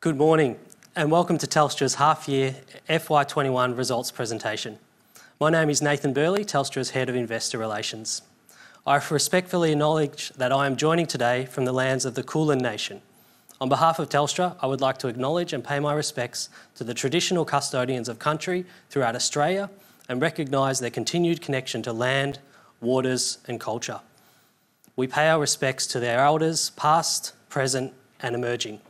Good morning, and welcome to Telstra's half year FY 2021 results presentation. My name is Nathan Burley, Telstra's Head of Investor Relations. I respectfully acknowledge that I am joining today from the lands of the Kulin Nation. On behalf of Telstra, I would like to acknowledge and pay my respects to the traditional custodians of country throughout Australia and recognize their continued connection to land, waters, and culture. We pay our respects to their elders past, present, and emerging.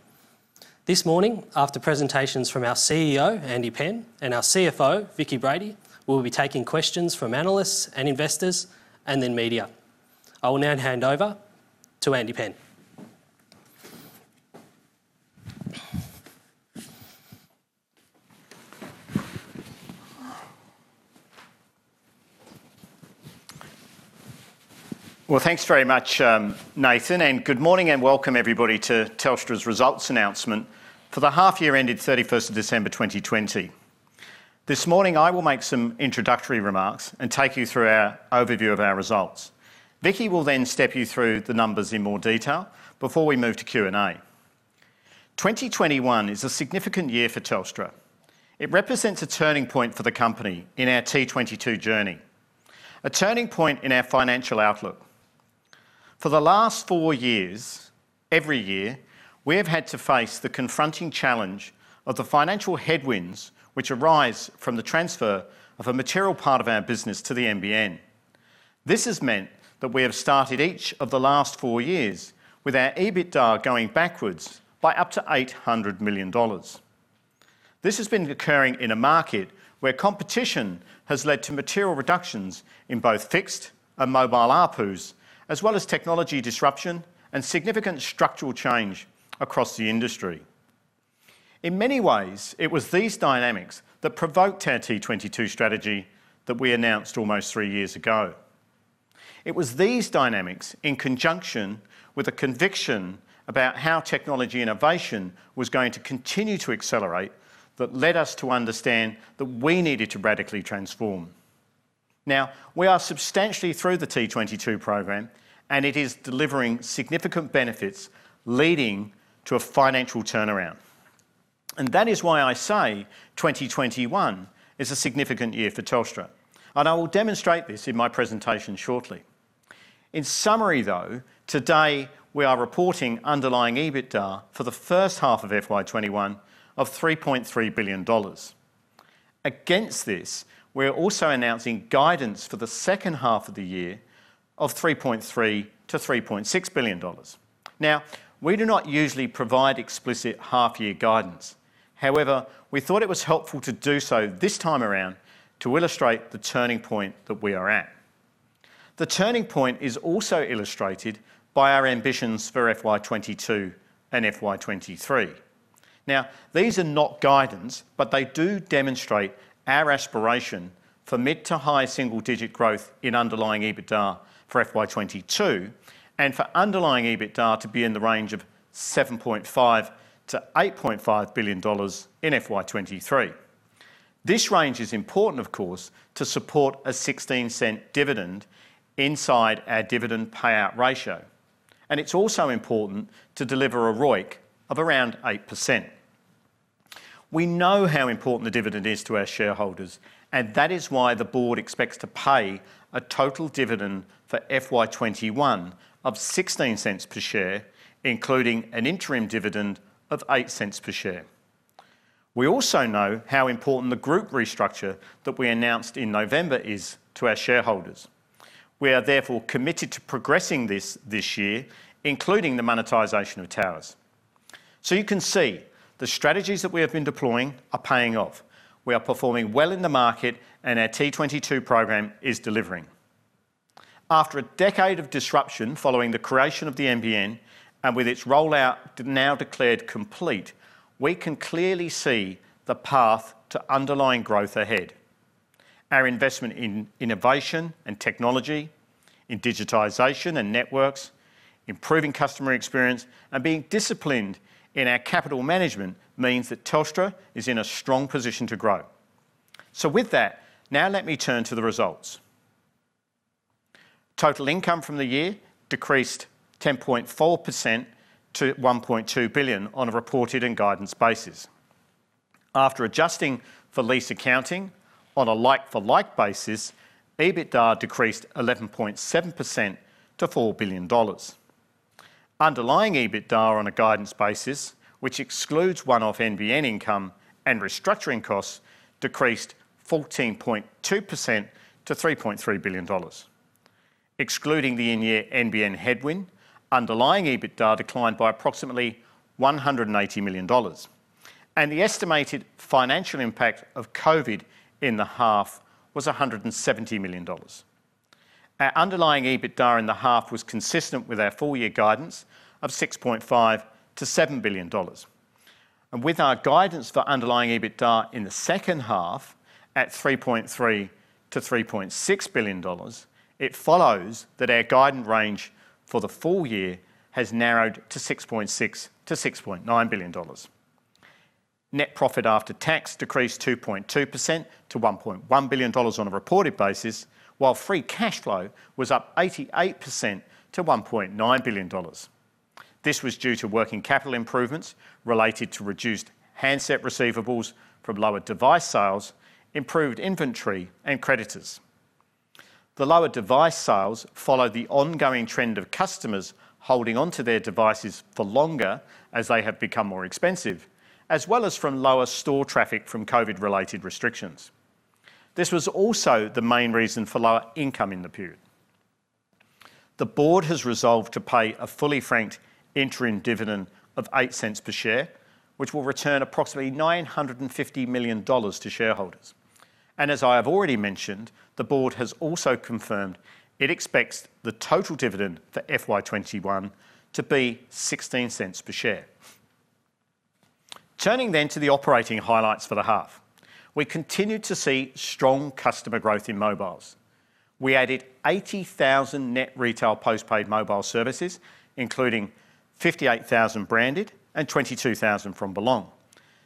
This morning, after presentations from our CEO, Andy Penn, and our CFO, Vicki Brady, we'll be taking questions from analysts and investors, and then media. I will now hand over to Andy Penn. Well, thanks very much Nathan. Good morning and welcome everybody to Telstra's results announcement for the half year ended December 31st, 2020. This morning, I will make some introductory remarks and take you through our overview of our results. Vicki will step you through the numbers in more detail before we move to Q&A. 2021 is a significant year for Telstra. It represents a turning point for the company in our T22 journey. A turning point in our financial outlook. For the last four years, every year, we have had to face the confronting challenge of the financial headwinds which arise from the transfer of a material part of our business to the NBN. This has meant that we have started each of the last four years with our EBITDA going backwards by up to 800 million dollars. This has been occurring in a market where competition has led to material reductions in both fixed and mobile ARPUs, as well as technology disruption and significant structural change across the industry. In many ways, it was these dynamics that provoked our T22 strategy that we announced almost three years ago. It was these dynamics in conjunction with a conviction about how technology innovation was going to continue to accelerate that led us to understand that we needed to radically transform. Now, we are substantially through the T22 program, and it is delivering significant benefits leading to a financial turnaround. That is why I say 2021 is a significant year for Telstra, and I will demonstrate this in my presentation shortly. In summary though, today we are reporting underlying EBITDA for the first half of FY21 of 3.3 billion dollars. Against this, we're also announcing guidance for the second half of the year of 3.3 billion-3.6 billion dollars. Now, we do not usually provide explicit half year guidance. However, we thought it was helpful to do so this time around to illustrate the turning point that we are at. The turning point is also illustrated by our ambitions for FY22 and FY23. Now, these are not guidance, but they do demonstrate our aspiration for mid to high single digit growth in underlying EBITDA for FY22, and for underlying EBITDA to be in the range of 7.5 billion-8.5 billion dollars in FY23. This range is important, of course, to support an 0.16 dividend inside our dividend payout ratio. It's also important to deliver a ROIC of around 8%. We know how important the dividend is to our shareholders. That is why the board expects to pay a total dividend for FY 2021 of 0.16 per share, including an interim dividend of 0.08 per share. We also know how important the group restructure that we announced in November is to our shareholders. We are therefore committed to progressing this this year, including the monetization of towers. You can see the strategies that we have been deploying are paying off. We are performing well in the market and our T22 program is delivering. After a decade of disruption following the creation of the NBN, with its rollout now declared complete, we can clearly see the path to underlying growth ahead. Our investment in innovation and technology, in digitization and networks, improving customer experience, and being disciplined in our capital management means that Telstra is in a strong position to grow. With that, now let me turn to the results. Total income from the year decreased 10.4% to 1.2 billion on a reported and guidance basis. After adjusting for lease accounting on a like-for-like basis, EBITDA decreased 11.7% to 4 billion dollars. Underlying EBITDA on a guidance basis, which excludes one-off NBN income and restructuring costs, decreased 14.2% to 3.3 billion dollars. Excluding the in-year NBN headwind, underlying EBITDA declined by approximately 180 million dollars. The estimated financial impact of COVID in the half was AUD 170 million. Our underlying EBITDA in the half was consistent with our full year guidance of 6.5 billion-7 billion dollars. With our guidance for underlying EBITDA in the second half at 3.3 billion-3.6 billion dollars, it follows that our guidance range for the full year has narrowed to 6.6 billion-6.9 billion dollars. Net profit after tax decreased 2.2% to 1.1 billion dollars on a reported basis, while free cash flow was up 88% to 1.9 billion dollars. This was due to working capital improvements related to reduced handset receivables from lower device sales, improved inventory, and creditors. The lower device sales followed the ongoing trend of customers holding onto their devices for longer as they have become more expensive, as well as from lower store traffic from COVID-related restrictions. This was also the main reason for lower income in the period. The board has resolved to pay a fully franked interim dividend of 0.08 per share, which will return approximately 950 million dollars to shareholders. As I have already mentioned, the board has also confirmed it expects the total dividend for FY 2021 to be 0.16 per share. Turning to the operating highlights for the half. We continued to see strong customer growth in mobiles. We added 80,000 net retail post-paid mobile services, including 58,000 branded and 22,000 from Belong.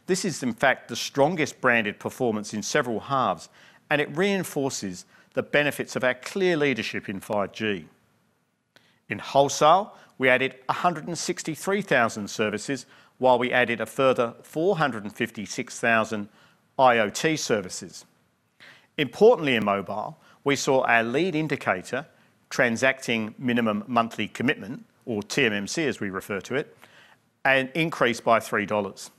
This is in fact the strongest branded performance in several halves, and it reinforces the benefits of our clear leadership in 5G. In wholesale, we added 163,000 services, while we added a further 456,000 IoT services. Importantly, in mobile, we saw our lead indicator, transacting minimum monthly commitment, or TMMC as we refer to it, increase by 3 dollars.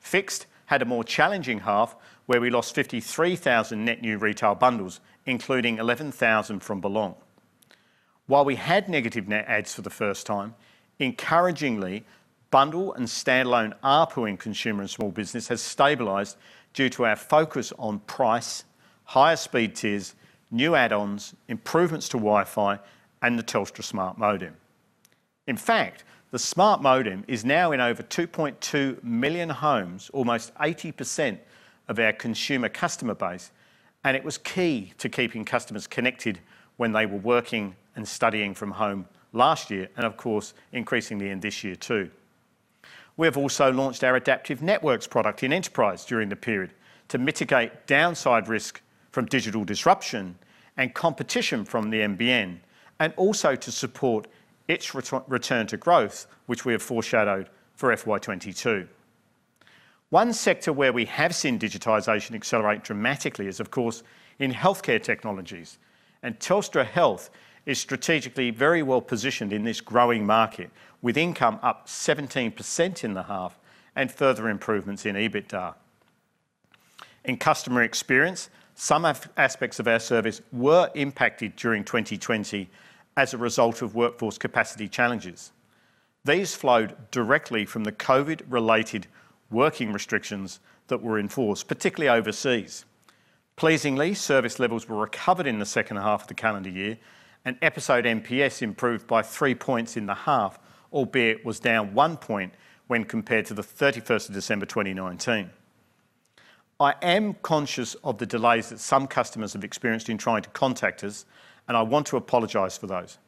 Fixed had a more challenging half, where we lost 53,000 net new retail bundles, including 11,000 from Belong. While we had negative net adds for the first time, encouragingly, bundle and standalone ARPU in Consumer & Small Business has stabilized due to our focus on price, higher speed tiers, new add-ons, improvements to Wi-Fi, and the Telstra Smart Modem. In fact, the Smart Modem is now in over 2.2 million homes, almost 80% of our consumer customer base, and it was key to keeping customers connected when they were working and studying from home last year, and of course, increasingly in this year too. We have also launched our Adaptive Networks product in Enterprise during the period to mitigate downside risk from digital disruption and competition from the NBN, and also to support its return to growth, which we have foreshadowed for FY22. One sector where we have seen digitization accelerate dramatically is, of course, in healthcare technologies, and Telstra Health is strategically very well positioned in this growing market, with income up 17% in the half and further improvements in EBITDA. In customer experience, some aspects of our service were impacted during 2020 as a result of workforce capacity challenges. These flowed directly from the COVID-related working restrictions that were in force, particularly overseas. Pleasingly, service levels were recovered in the second half of the calendar year, and episode NPS improved by three points in the half, albeit was down one point when compared to the December 31st, 2019. I am conscious of the delays that some customers have experienced in trying to contact us, and I want to apologize for those.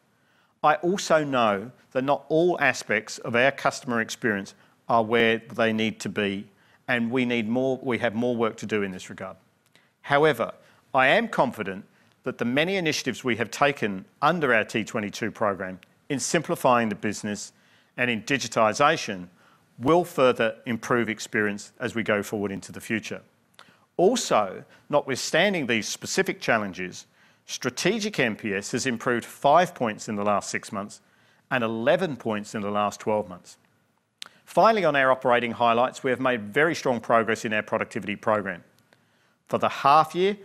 I also know that not all aspects of our customer experience are where they need to be, and we have more work to do in this regard. However, I am confident that the many initiatives we have taken under our T22 program in simplifying the business and in digitization will further improve experience as we go forward into the future. Notwithstanding these specific challenges, strategic NPS has improved five points in the last six months and 11 points in the last 12 months. Finally, on our operating highlights, we have made very strong progress in our productivity program. For the half year,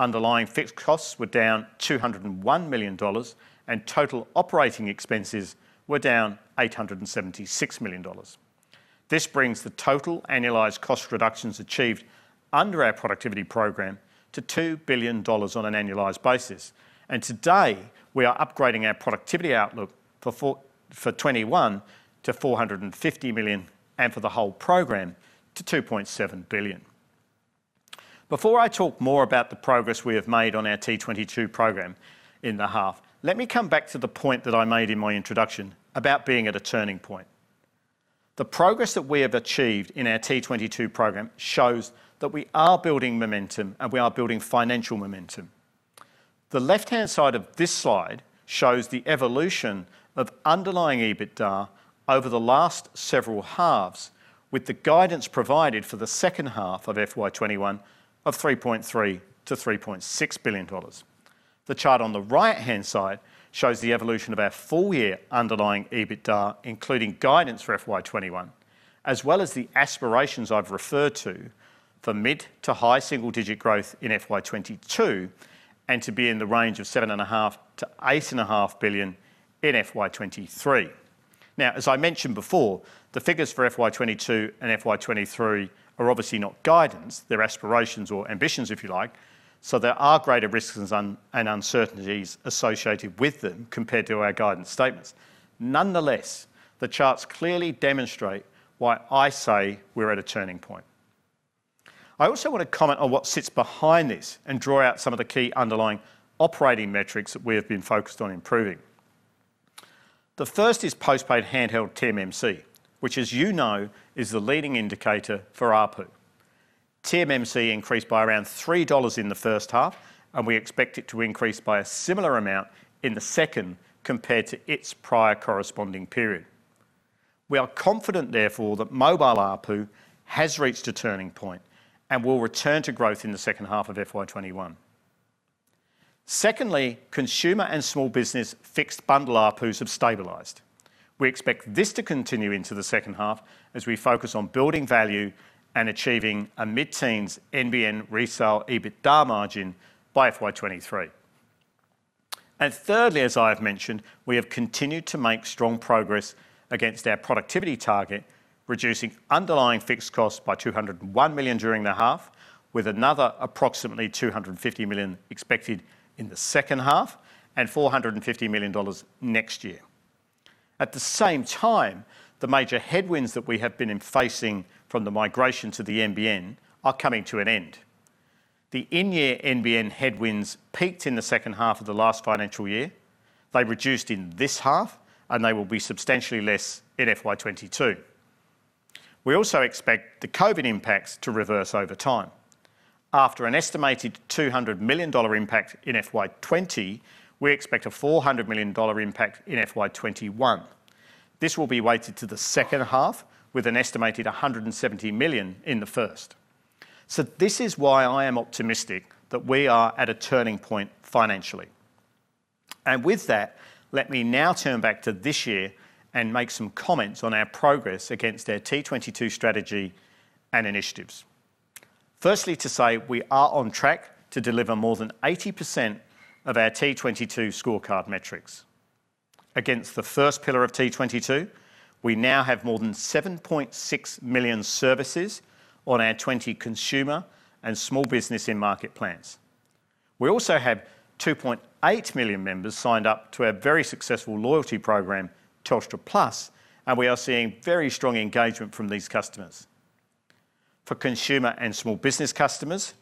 underlying fixed costs were down 201 million dollars, and total operating expenses were down 876 million dollars. This brings the total annualized cost reductions achieved under our productivity program to 2 billion dollars on an annualized basis. Today, we are upgrading our productivity outlook for FY 2021 to 450 million and for the whole program to 2.7 billion. Before I talk more about the progress we have made on our T22 program in the half, let me come back to the point that I made in my introduction about being at a turning point. The progress that we have achieved in our T22 program shows that we are building momentum and we are building financial momentum. The left-hand side of this slide shows the evolution of underlying EBITDA over the last several halves, with the guidance provided for the second half of FY 2021 of 3.3 billion-3.6 billion dollars. The chart on the right-hand side shows the evolution of our full year underlying EBITDA, including guidance for FY21, as well as the aspirations I've referred to for mid to high single-digit growth in FY22, and to be in the range of 7.5 billion-8.5 billion in FY23. As I mentioned before, the figures for FY22 and FY23 are obviously not guidance. They're aspirations or ambitions, if you like. There are greater risks and uncertainties associated with them compared to our guidance statements. Nonetheless, the charts clearly demonstrate why I say we're at a turning point. I also want to comment on what sits behind this and draw out some of the key underlying operating metrics that we have been focused on improving. The first is postpaid handheld TMMC, which as you know, is the leading indicator for ARPU. TMMC increased by around 3 dollars in the first half. We expect it to increase by a similar amount in the second compared to its prior corresponding period. We are confident, therefore, that mobile ARPU has reached a turning point and will return to growth in the second half of FY 2021. Secondly, Consumer & Small Business fixed bundle ARPUs have stabilized. We expect this to continue into the second half as we focus on building value and achieving a mid-teens NBN resale EBITDA margin by FY 2023. Thirdly, as I have mentioned, we have continued to make strong progress against our productivity target, reducing underlying fixed costs by 201 million during the half, with another approximately 250 million expected in the second half and 450 million dollars next year. At the same time, the major headwinds that we have been facing from the migration to the NBN are coming to an end. The in-year NBN headwinds peaked in the second half of the last financial year. They reduced in this half, they will be substantially less in FY 2022. We also expect the COVID impacts to reverse over time. After an estimated 200 million dollar impact in FY 2020, we expect a 400 million dollar impact in FY 2021. This will be weighted to the second half with an estimated 170 million in the first. This is why I am optimistic that we are at a turning point financially. With that, let me now turn back to this year and make some comments on our progress against our T22 strategy and initiatives. Firstly, to say we are on track to deliver more than 80% of our T22 scorecard metrics. Against the first pillar of T22, we now have more than 7.6 million services on our 20 Consumer & Small Business in-market plans. We also have 2.8 million members signed up to our very successful loyalty program, Telstra Plus, and we are seeing very strong engagement from these customers. For Consumer & Small Business customers,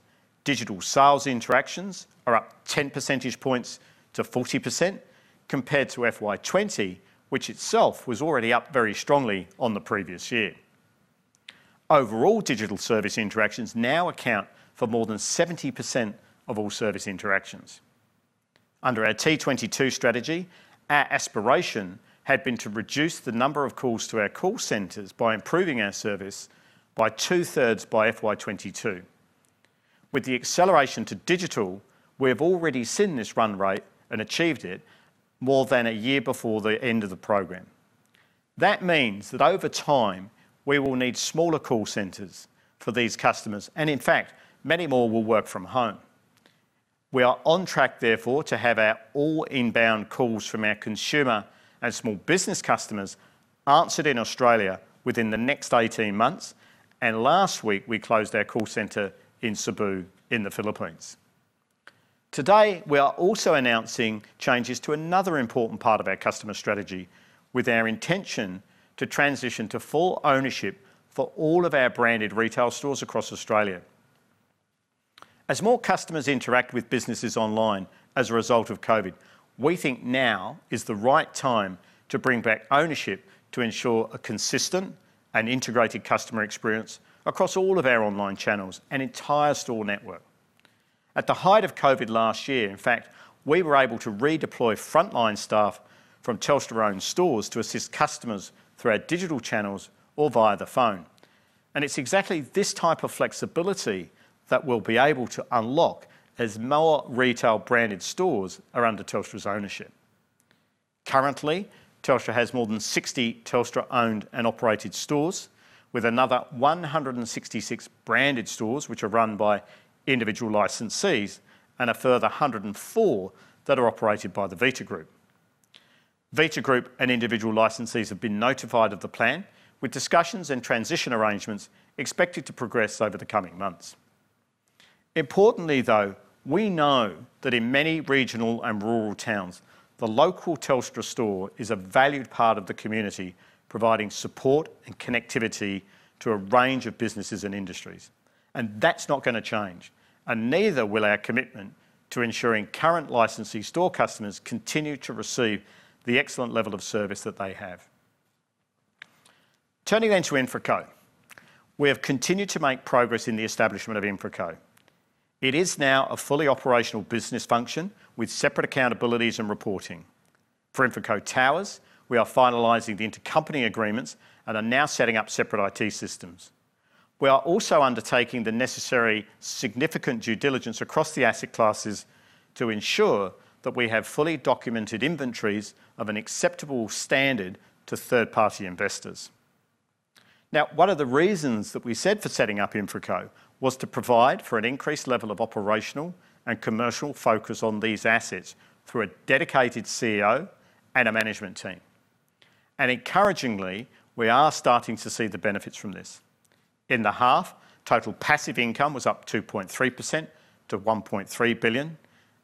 digital sales interactions are up 10 percentage points to 40% compared to FY20, which itself was already up very strongly on the previous year. Overall digital service interactions now account for more than 70% of all service interactions. Under our T22 strategy, our aspiration had been to reduce the number of calls to our call centers by improving our service by 2/3 by FY22. With the acceleration to digital, we have already seen this run rate and achieved it more than a year before the end of the program. That means that over time, we will need smaller call centers for these customers, and in fact, many more will work from home. We are on track, therefore, to have all inbound calls from our Consumer & Small Business customers answered in Australia within the next 18 months. Last week, we closed our call center in Cebu in the Philippines. Today, we are also announcing changes to another important part of our customer strategy with our intention to transition to full ownership for all of our branded retail stores across Australia. As more customers interact with businesses online as a result of COVID, we think now is the right time to bring back ownership to ensure a consistent and integrated customer experience across all of our online channels and entire store network. At the height of COVID last year, in fact, we were able to redeploy frontline staff from Telstra-owned stores to assist customers through our digital channels or via the phone. It's exactly this type of flexibility that we'll be able to unlock as more retail branded stores are under Telstra's ownership. Currently, Telstra has more than 60 Telstra-owned and operated stores with another 166 branded stores, which are run by individual licensees and a further 104 that are operated by the Vita Group. Vita Group and individual licensees have been notified of the plan with discussions and transition arrangements expected to progress over the coming months. Importantly, though, we know that in many regional and rural towns, the local Telstra store is a valued part of the community, providing support and connectivity to a range of businesses and industries. That's not going to change, and neither will our commitment to ensuring current licensee store customers continue to receive the excellent level of service that they have. Turning to InfraCo. We have continued to make progress in the establishment of InfraCo. It is now a fully operational business function with separate accountabilities and reporting. For InfraCo Towers, we are finalizing the intercompany agreements and are now setting up separate IT systems. We are also undertaking the necessary significant due diligence across the asset classes to ensure that we have fully documented inventories of an acceptable standard to third-party investors. Now, one of the reasons that we said for setting up InfraCo was to provide for an increased level of operational and commercial focus on these assets through a dedicated CEO and a management team. Encouragingly, we are starting to see the benefits from this. In the half, total passive income was up 2.3% to 1.3 billion.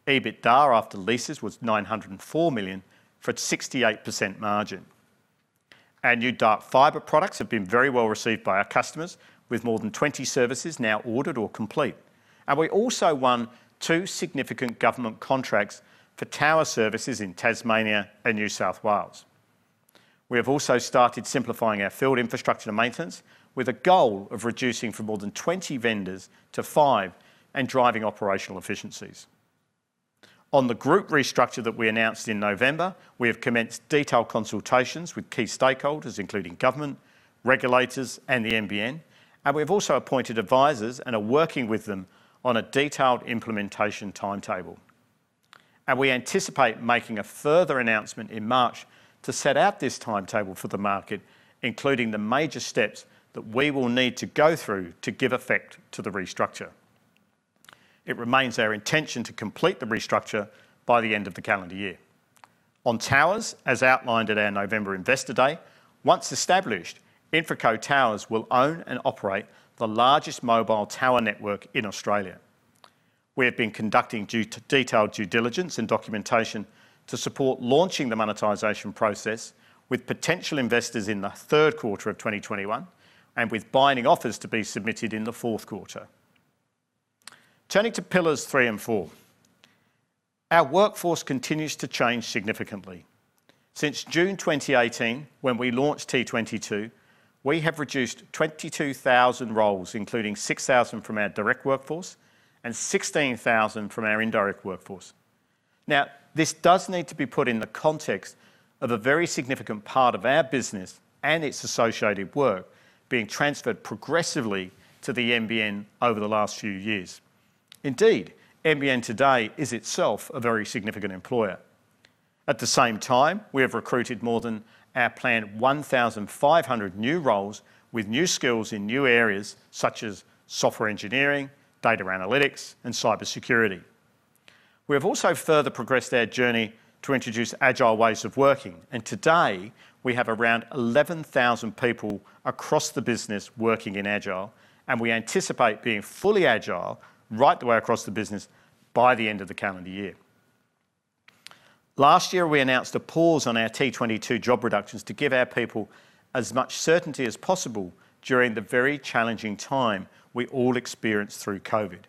EBITDA after leases was 904 million for a 68% margin. Our new Dark Fibre products have been very well received by our customers, with more than 20 services now ordered or complete. We also won two significant government contracts for tower services in Tasmania and New South Wales. We have also started simplifying our field infrastructure and maintenance with a goal of reducing from more than 20 vendors to five and driving operational efficiencies. On the group restructure that we announced in November, we have commenced detailed consultations with key stakeholders, including government, regulators, and the NBN, and we have also appointed advisors and are working with them on a detailed implementation timetable. We anticipate making a further announcement in March to set out this timetable for the market, including the major steps that we will need to go through to give effect to the restructure. It remains our intention to complete the restructure by the end of the calendar year. On towers, as outlined at our November Investor Day, once established, InfraCo Towers will own and operate the largest mobile tower network in Australia. We have been conducting detailed due diligence and documentation to support launching the monetization process with potential investors in the third quarter of 2021 and with binding offers to be submitted in the fourth quarter. Turning to pillars three and four. Our workforce continues to change significantly. Since June 2018, when we launched T22, we have reduced 22,000 roles, including 6,000 from our direct workforce and 16,000 from our indirect workforce. This does need to be put in the context of a very significant part of our business and its associated work being transferred progressively to the NBN over the last few years. NBN today is itself a very significant employer. At the same time, we have recruited more than our planned 1,500 new roles with new skills in new areas such as software engineering, data analytics, and cybersecurity. We have also further progressed our journey to introduce agile ways of working. Today, we have around 11,000 people across the business working in agile. We anticipate being fully agile right the way across the business by the end of the calendar year. Last year, we announced a pause on our T22 job reductions to give our people as much certainty as possible during the very challenging time we all experienced through COVID.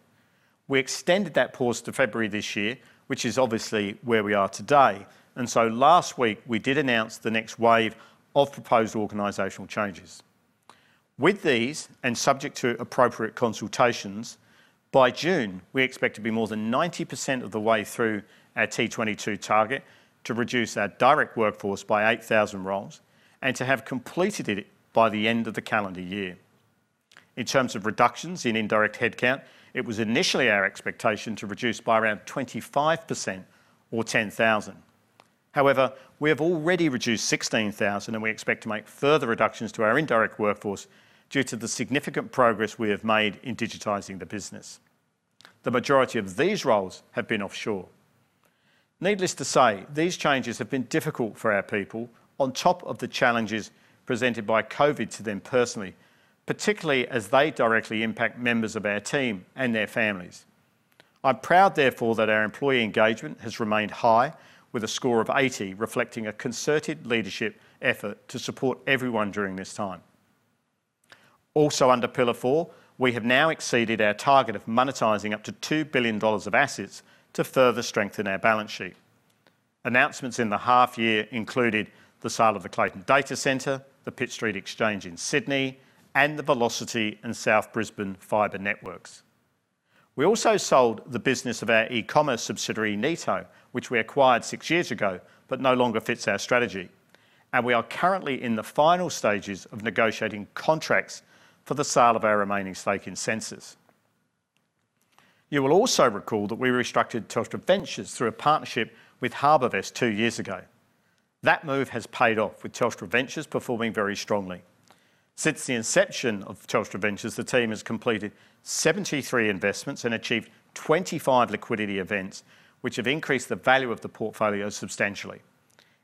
We extended that pause to February this year, which is obviously where we are today. Last week, we did announce the next wave of proposed organizational changes. With these, and subject to appropriate consultations, by June, we expect to be more than 90% of the way through our T22 target to reduce our direct workforce by 8,000 roles and to have completed it by the end of the calendar year. In terms of reductions in indirect headcount, it was initially our expectation to reduce by around 25% or 10,000. However, we have already reduced 16,000, and we expect to make further reductions to our indirect workforce due to the significant progress we have made in digitizing the business. The majority of these roles have been offshore. Needless to say, these changes have been difficult for our people on top of the challenges presented by COVID to them personally, particularly as they directly impact members of our team and their families. I am proud, therefore, that our employee engagement has remained high with a score of 80, reflecting a concerted leadership effort to support everyone during this time. Also under Pillar 4, we have now exceeded our target of monetizing up to 2 billion dollars of assets to further strengthen our balance sheet. Announcements in the half year included the sale of the Clayton data center, the Pitt Street exchange in Sydney, and the Velocity and South Brisbane fibre networks. We also sold the business of our e-commerce subsidiary, Neto, which we acquired six years ago but no longer fits our strategy. We are currently in the final stages of negotiating contracts for the sale of our remaining stake in Sensis. You will also recall that we restructured Telstra Ventures through a partnership with HarbourVest two years ago. That move has paid off, with Telstra Ventures performing very strongly. Since the inception of Telstra Ventures, the team has completed 73 investments and achieved 25 liquidity events, which have increased the value of the portfolio substantially.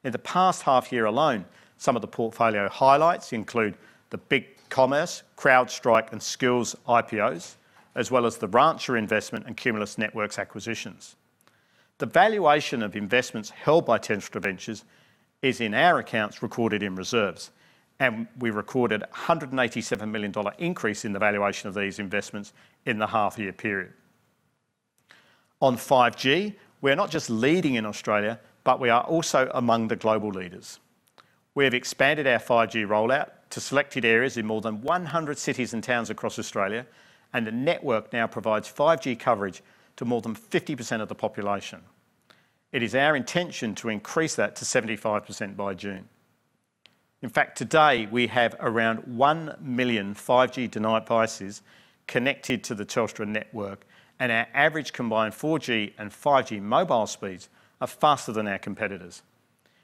In the past half year alone, some of the portfolio highlights include the BigCommerce, CrowdStrike, and Skillz IPOs, as well as the Rancher investment and Cumulus Networks acquisitions. The valuation of investments held by Telstra Ventures is in our accounts recorded in reserves, and we recorded 187 million dollar increase in the valuation of these investments in the half year period. On 5G, we're not just leading in Australia, but we are also among the global leaders. We have expanded our 5G rollout to selected areas in more than 100 cities and towns across Australia, and the network now provides 5G coverage to more than 50% of the population. It is our intention to increase that to 75% by June. In fact, today, we have around 1 million 5G-enabled devices connected to the Telstra network, and our average combined 4G and 5G mobile speeds are faster than our competitors.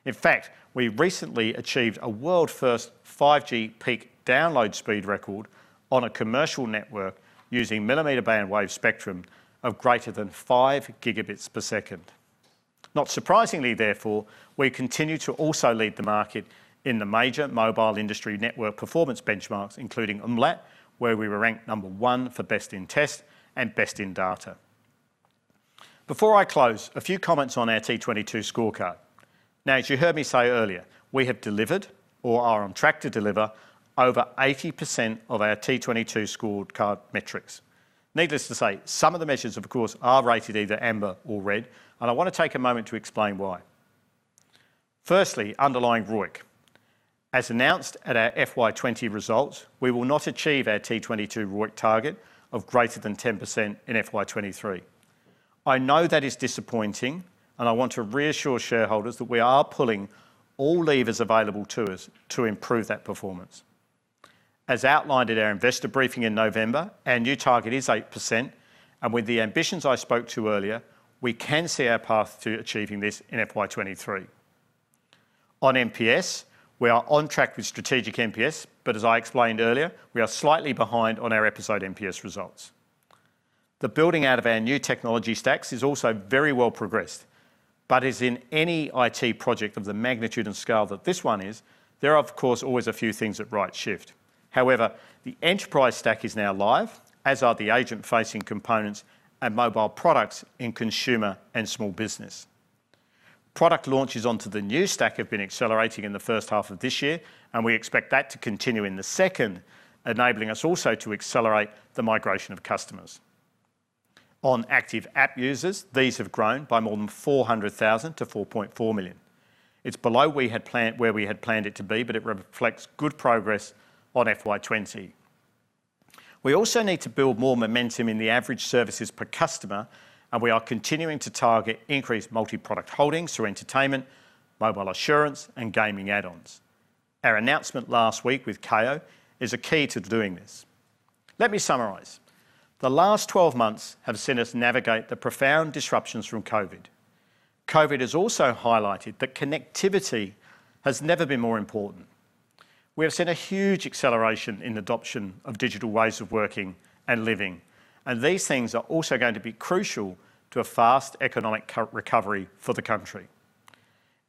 In fact, we recently achieved a world-first 5G peak download speed record on a commercial network using millimeter wave spectrum of greater than 5 gigabits per second. Not surprisingly, therefore, we continue to also lead the market in the major mobile industry network performance benchmarks, including umlaut, where we were ranked number one for best in test and best in data. Before I close, a few comments on our T22 scorecard. Now, as you heard me say earlier, we have delivered or are on track to deliver over 80% of our T22 scorecard metrics. Needless to say, some of the measures, of course, are rated either amber or red, and I want to take one moment to explain why. Firstly, underlying ROIC. As announced at our FY20 results, we will not achieve our T22 ROIC target of greater than 10% in FY23. I know that is disappointing, and I want to reassure shareholders that we are pulling all levers available to us to improve that performance. As outlined at our investor briefing in November, our new target is 8%, and with the ambitions I spoke to earlier, we can see our path to achieving this in FY23. On NPS, we are on track with strategic NPS, but as I explained earlier, we are slightly behind on our episode NPS results. The building out of our new technology stacks is also very well progressed, but as in any IT project of the magnitude and scale that this one is, there are of course always a few things that right shift. The enterprise stack is now live, as are the agent-facing components and mobile products in Consumer & Small Business. Product launches onto the new stack have been accelerating in the first half of this year, and we expect that to continue in the second, enabling us also to accelerate the migration of customers. On active app users, these have grown by more than 400,000 to 4.4 million. It's below where we had planned it to be, but it reflects good progress on FY20. We also need to build more momentum in the average services per customer, and we are continuing to target increased multi-product holdings through entertainment, mobile assurance, and gaming add-ons. Our announcement last week with Kayo is a key to doing this. Let me summarize. The last 12 months have seen us navigate the profound disruptions from COVID. COVID has also highlighted that connectivity has never been more important. We have seen a huge acceleration in adoption of digital ways of working and living, and these things are also going to be crucial to a fast economic recovery for the country.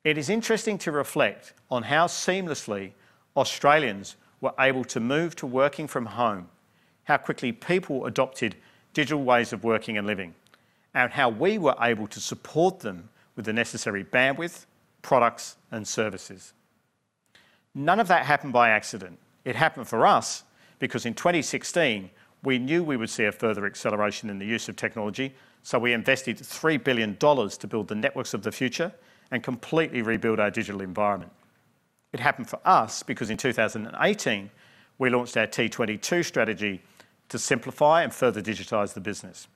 It is interesting to reflect on how seamlessly Australians were able to move to working from home, how quickly people adopted digital ways of working and living, and how we were able to support them with the necessary bandwidth, products, and services. None of that happened by accident. It happened for us because in 2016, we knew we would see a further acceleration in the use of technology, so we invested 3 billion dollars to build the networks of the future and completely rebuild our digital environment. It happened for us because in 2018, we launched our T22 strategy to simplify and further digitize the business.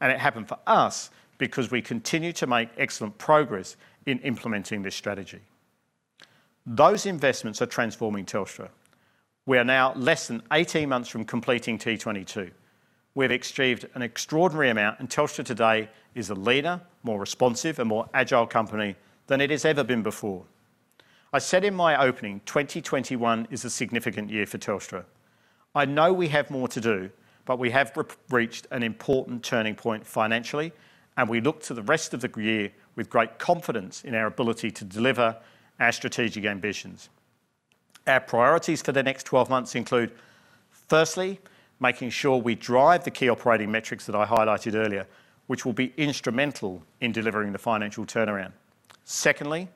It happened for us because we continue to make excellent progress in implementing this strategy. Those investments are transforming Telstra. We are now less than 18 months from completing T22. We've achieved an extraordinary amount, and Telstra today is a leaner, more responsive, and more agile company than it has ever been before. I said in my opening 2021 is a significant year for Telstra. I know we have more to do, but we have reached an important turning point financially, and we look to the rest of the year with great confidence in our ability to deliver our strategic ambitions. Our priorities for the next 12 months include, firstly, making sure we drive the key operating metrics that I highlighted earlier, which will be instrumental in delivering the financial turnaround. Secondly,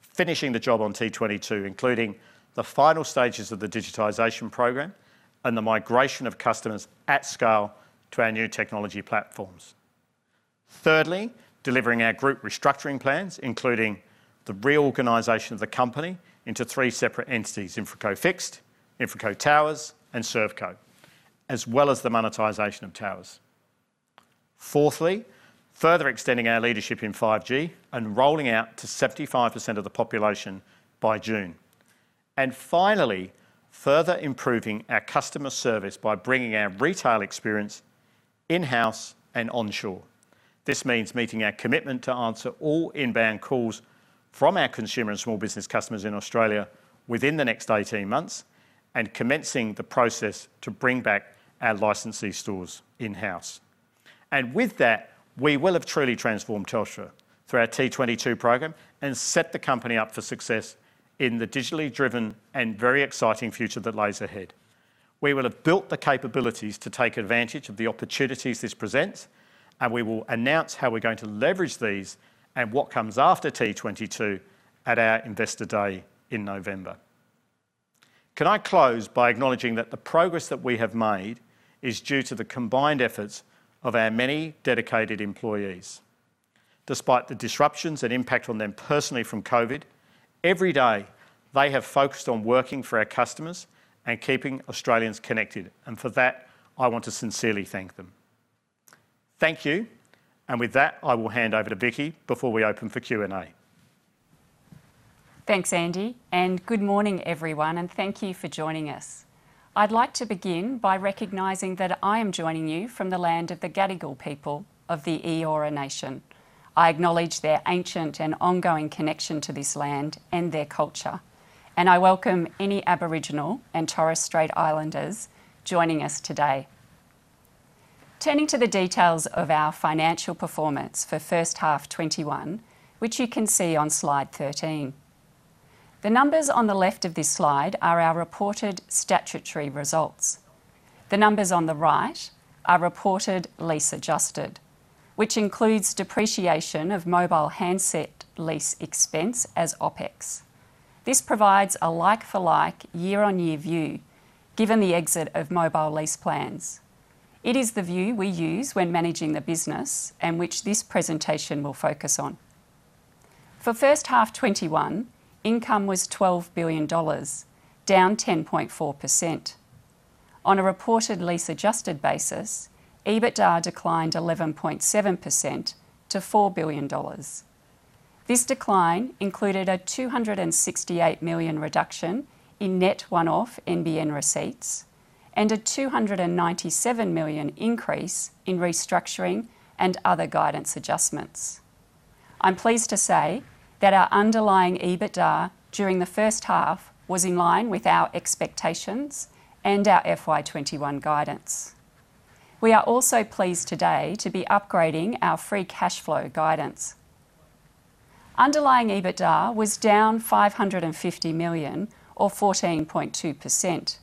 finishing the job on T22, including the final stages of the digitization program and the migration of customers at scale to our new technology platforms. Thirdly, delivering our group restructuring plans, including the reorganization of the company into three separate entities, InfraCo Fixed, InfraCo Towers, and ServeCo, as well as the monetization of towers. Fourthly, further extending our leadership in 5G and rolling out to 75% of the population by June. Finally, further improving our customer service by bringing our retail experience in-house and onshore. This means meeting our commitment to answer all inbound calls from our consumer and small business customers in Australia within the next 18 months and commencing the process to bring back our licensee stores in-house. With that, we will have truly transformed Telstra through our T22 program and set the company up for success in the digitally driven and very exciting future that lies ahead. We will have built the capabilities to take advantage of the opportunities this presents, and we will announce how we're going to leverage these and what comes after T22 at our Investor Day in November. Can I close by acknowledging that the progress that we have made is due to the combined efforts of our many dedicated employees. Despite the disruptions and impact on them personally from COVID, every day, they have focused on working for our customers and keeping Australians connected. For that, I want to sincerely thank them. Thank you. With that, I will hand over to Vicki before we open for Q&A. Thanks Andy. Good morning, everyone. Thank you for joining us. I'd like to begin by recognizing that I am joining you from the land of the Gadigal people of the Eora Nation. I acknowledge their ancient and ongoing connection to this land and their culture. I welcome any Aboriginal and Torres Strait Islanders joining us today. Turning to the details of our financial performance for first half FY 2021, which you can see on slide 13. The numbers on the left of this slide are our reported statutory results. The numbers on the right are reported lease adjusted, which includes depreciation of mobile handset lease expense as OpEx. This provides a like-for-like year-on-year view, given the exit of mobile lease plans. It is the view we use when managing the business and which this presentation will focus on. For first half FY 2021, income was 12 billion dollars, down 10.4%. On a reported lease adjusted basis, EBITDA declined 11.7% to 4 billion dollars. This decline included a 268 million reduction in net one-off NBN receipts and a 297 million increase in restructuring and other guidance adjustments. I'm pleased to say that our underlying EBITDA during the first half was in line with our expectations and our FY 2021 guidance. We are also pleased today to be upgrading our free cash flow guidance. Underlying EBITDA was down 550 million, or 14.2%.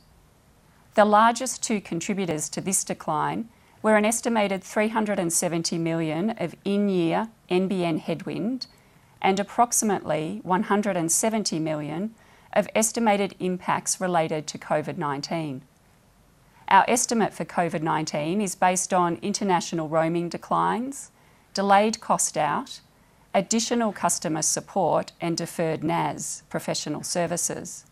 The largest two contributors to this decline were an estimated 370 million of in-year NBN headwind and approximately 170 million of estimated impacts related to COVID-19. Our estimate for COVID-19 is based on international roaming declines, delayed cost out, additional customer support, and deferred NAS professional services.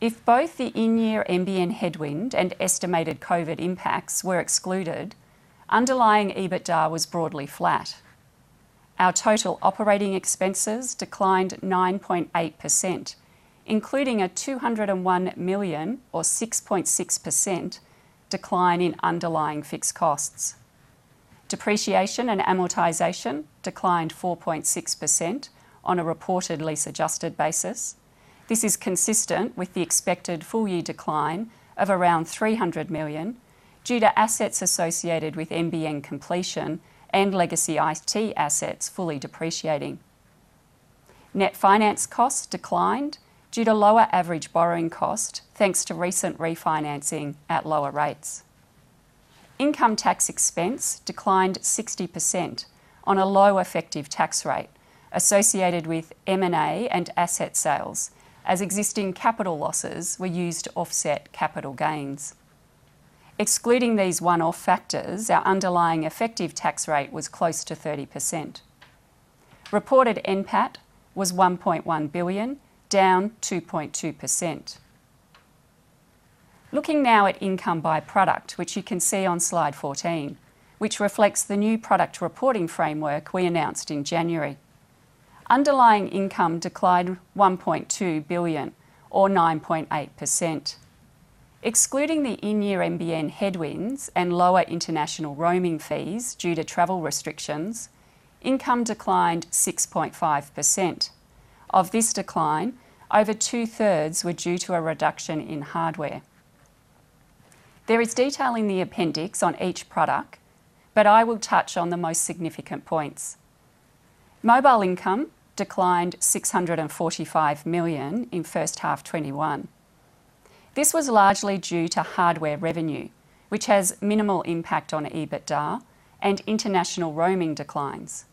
If both the in-year NBN headwind and estimated COVID impacts were excluded, underlying EBITDA was broadly flat. Our total operating expenses declined 9.8%, including an 201 million, or 6.6% decline in underlying fixed costs. Depreciation and amortization declined 4.6% on a reported lease adjusted basis. This is consistent with the expected full-year decline of around 300 million due to assets associated with NBN completion and legacy IT assets fully depreciating. Net finance costs declined due to lower average borrowing cost, thanks to recent refinancing at lower rates. Income tax expense declined 60% on a low effective tax rate associated with M&A and asset sales, as existing capital losses were used to offset capital gains. Excluding these one-off factors, our underlying effective tax rate was close to 30%. Reported NPAT was 1.1 billion, down 2.2%. Looking now at income by product, which you can see on slide 14, which reflects the new product reporting framework we announced in January. Underlying income declined 1.2 billion, or 9.8%. Excluding the in-year NBN headwinds and lower international roaming fees due to travel restrictions, income declined 6.5%. Of this decline, over 2/3 were due to a reduction in hardware. There is detail in the appendix on each product. I will touch on the most significant points. Mobile income declined 645 million in first half '21. This was largely due to hardware revenue, which has minimal impact on EBITDA and international roaming declines.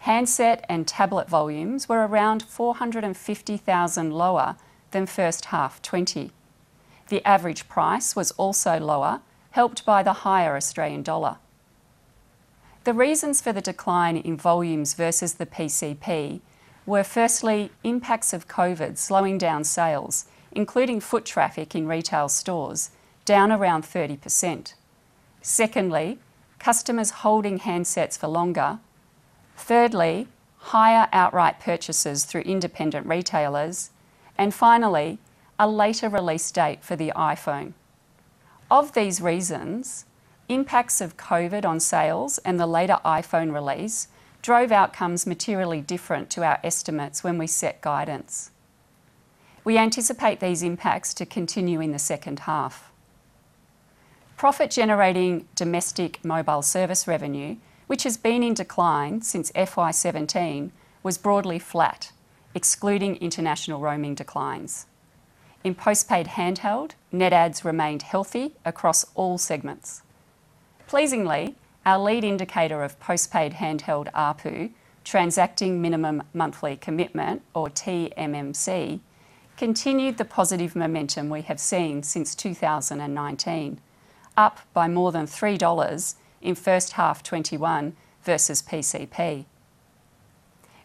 Handset and tablet volumes were around 450,000 lower than first half '20. The average price was also lower, helped by the higher Australian dollar. The reasons for the decline in volumes versus the PCP were firstly, impacts of COVID slowing down sales, including foot traffic in retail stores, down around 30%. Secondly, customers holding handsets for longer. Thirdly, higher outright purchases through independent retailers. Finally, a later release date for the iPhone. Of these reasons, impacts of COVID on sales and the later iPhone release drove outcomes materially different to our estimates when we set guidance. We anticipate these impacts to continue in the second half. Profit-generating domestic mobile service revenue, which has been in decline since FY 2017, was broadly flat, excluding international roaming declines. In postpaid handheld, net adds remained healthy across all segments. Pleasingly, our lead indicator of postpaid handheld ARPU, transacting minimum monthly commitment, or TMMC, continued the positive momentum we have seen since 2019, up by more than 3 dollars in first half 2021 versus PCP.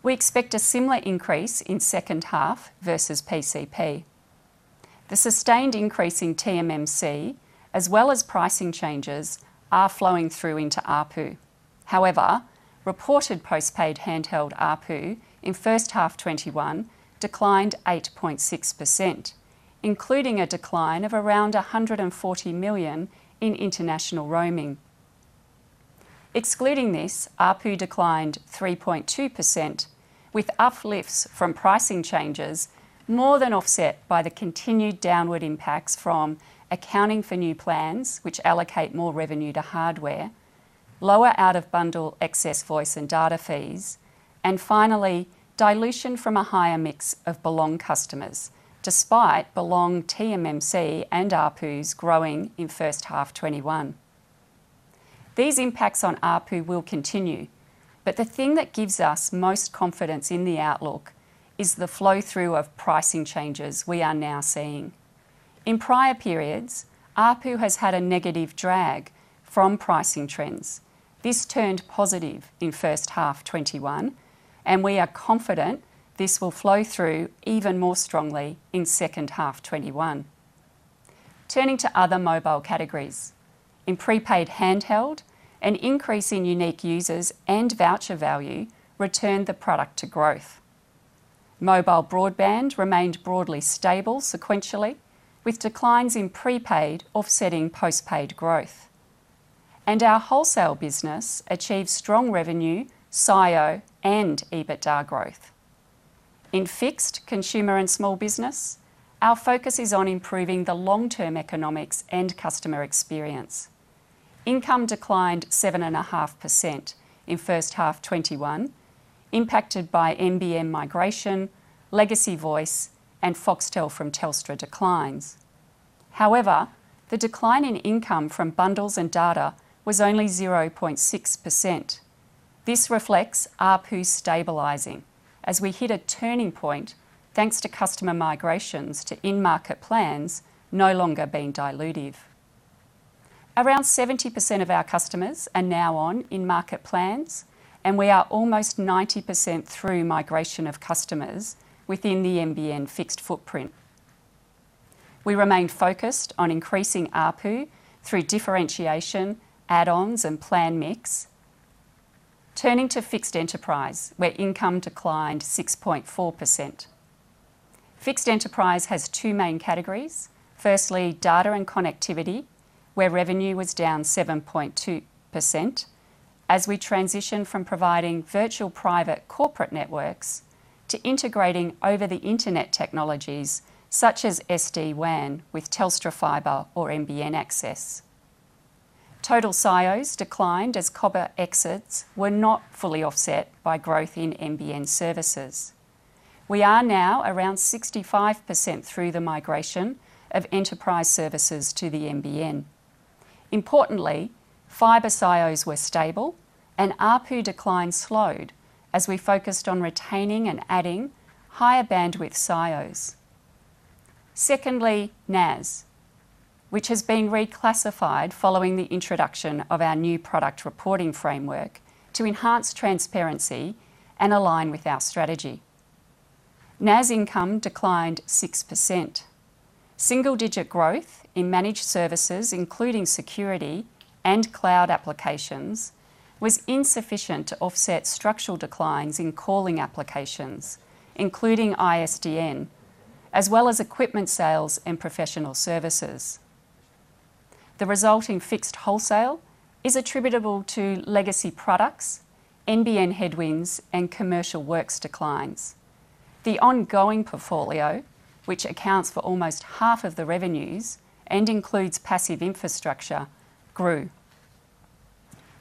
We expect a similar increase in second half versus PCP. The sustained increase in TMMC, as well as pricing changes, are flowing through into ARPU. However, reported postpaid handheld ARPU in first half 2021 declined 8.6%, including a decline of around 140 million in international roaming. Excluding this, ARPU declined 3.2%, with uplifts from pricing changes more than offset by the continued downward impacts from accounting for new plans, which allocate more revenue to hardware, lower out-of-bundle excess voice and data fees. Finally, dilution from a higher mix of Belong customers, despite Belong TMMC and ARPU growing in first half FY21. These impacts on ARPU will continue, the thing that gives us most confidence in the outlook is the flow-through of pricing changes we are now seeing. In prior periods, ARPU has had a negative drag from pricing trends. This turned positive in first half FY21, we are confident this will flow through even more strongly in second half FY21. Turning to other mobile categories. In prepaid handheld, an increase in unique users and voucher value returned the product to growth. Mobile broadband remained broadly stable sequentially, with declines in prepaid offsetting postpaid growth. Our wholesale business achieved strong revenue, SIO, and EBITDA growth. In fixed consumer and small business, our focus is on improving the long-term economics and customer experience. Income declined 7.5% in first half 2021, impacted by NBN migration, legacy voice, and Foxtel from Telstra declines. The decline in income from bundles and data was only 0.6%. This reflects ARPU stabilizing as we hit a turning point, thanks to customer migrations to in-market plans no longer being dilutive. Around 70% of our customers are now on in-market plans, and we are almost 90% through migration of customers within the NBN fixed footprint. We remain focused on increasing ARPU through differentiation, add-ons, and plan mix. Turning to fixed enterprise, where income declined 6.4%. Fixed enterprise has two main categories. Data and connectivity, where revenue was down 7.2% as we transition from providing virtual private corporate networks to integrating over-the-internet technologies such as SD-WAN with Telstra Fibre or NBN access. Total SIOs declined as copper exits were not fully offset by growth in NBN services. We are now around 65% through the migration of enterprise services to the NBN. Importantly, Fibre SIOs were stable and ARPU decline slowed as we focused on retaining and adding higher bandwidth SIOs. NAS, which has been reclassified following the introduction of our new product reporting framework to enhance transparency and align with our strategy. NAS income declined 6%. Single-digit growth in managed services, including security and cloud applications, was insufficient to offset structural declines in calling applications, including ISDN, as well as equipment sales and professional services. The result in fixed wholesale is attributable to legacy products, NBN headwinds, and commercial works declines. The ongoing portfolio, which accounts for almost half of the revenues and includes passive infrastructure, grew.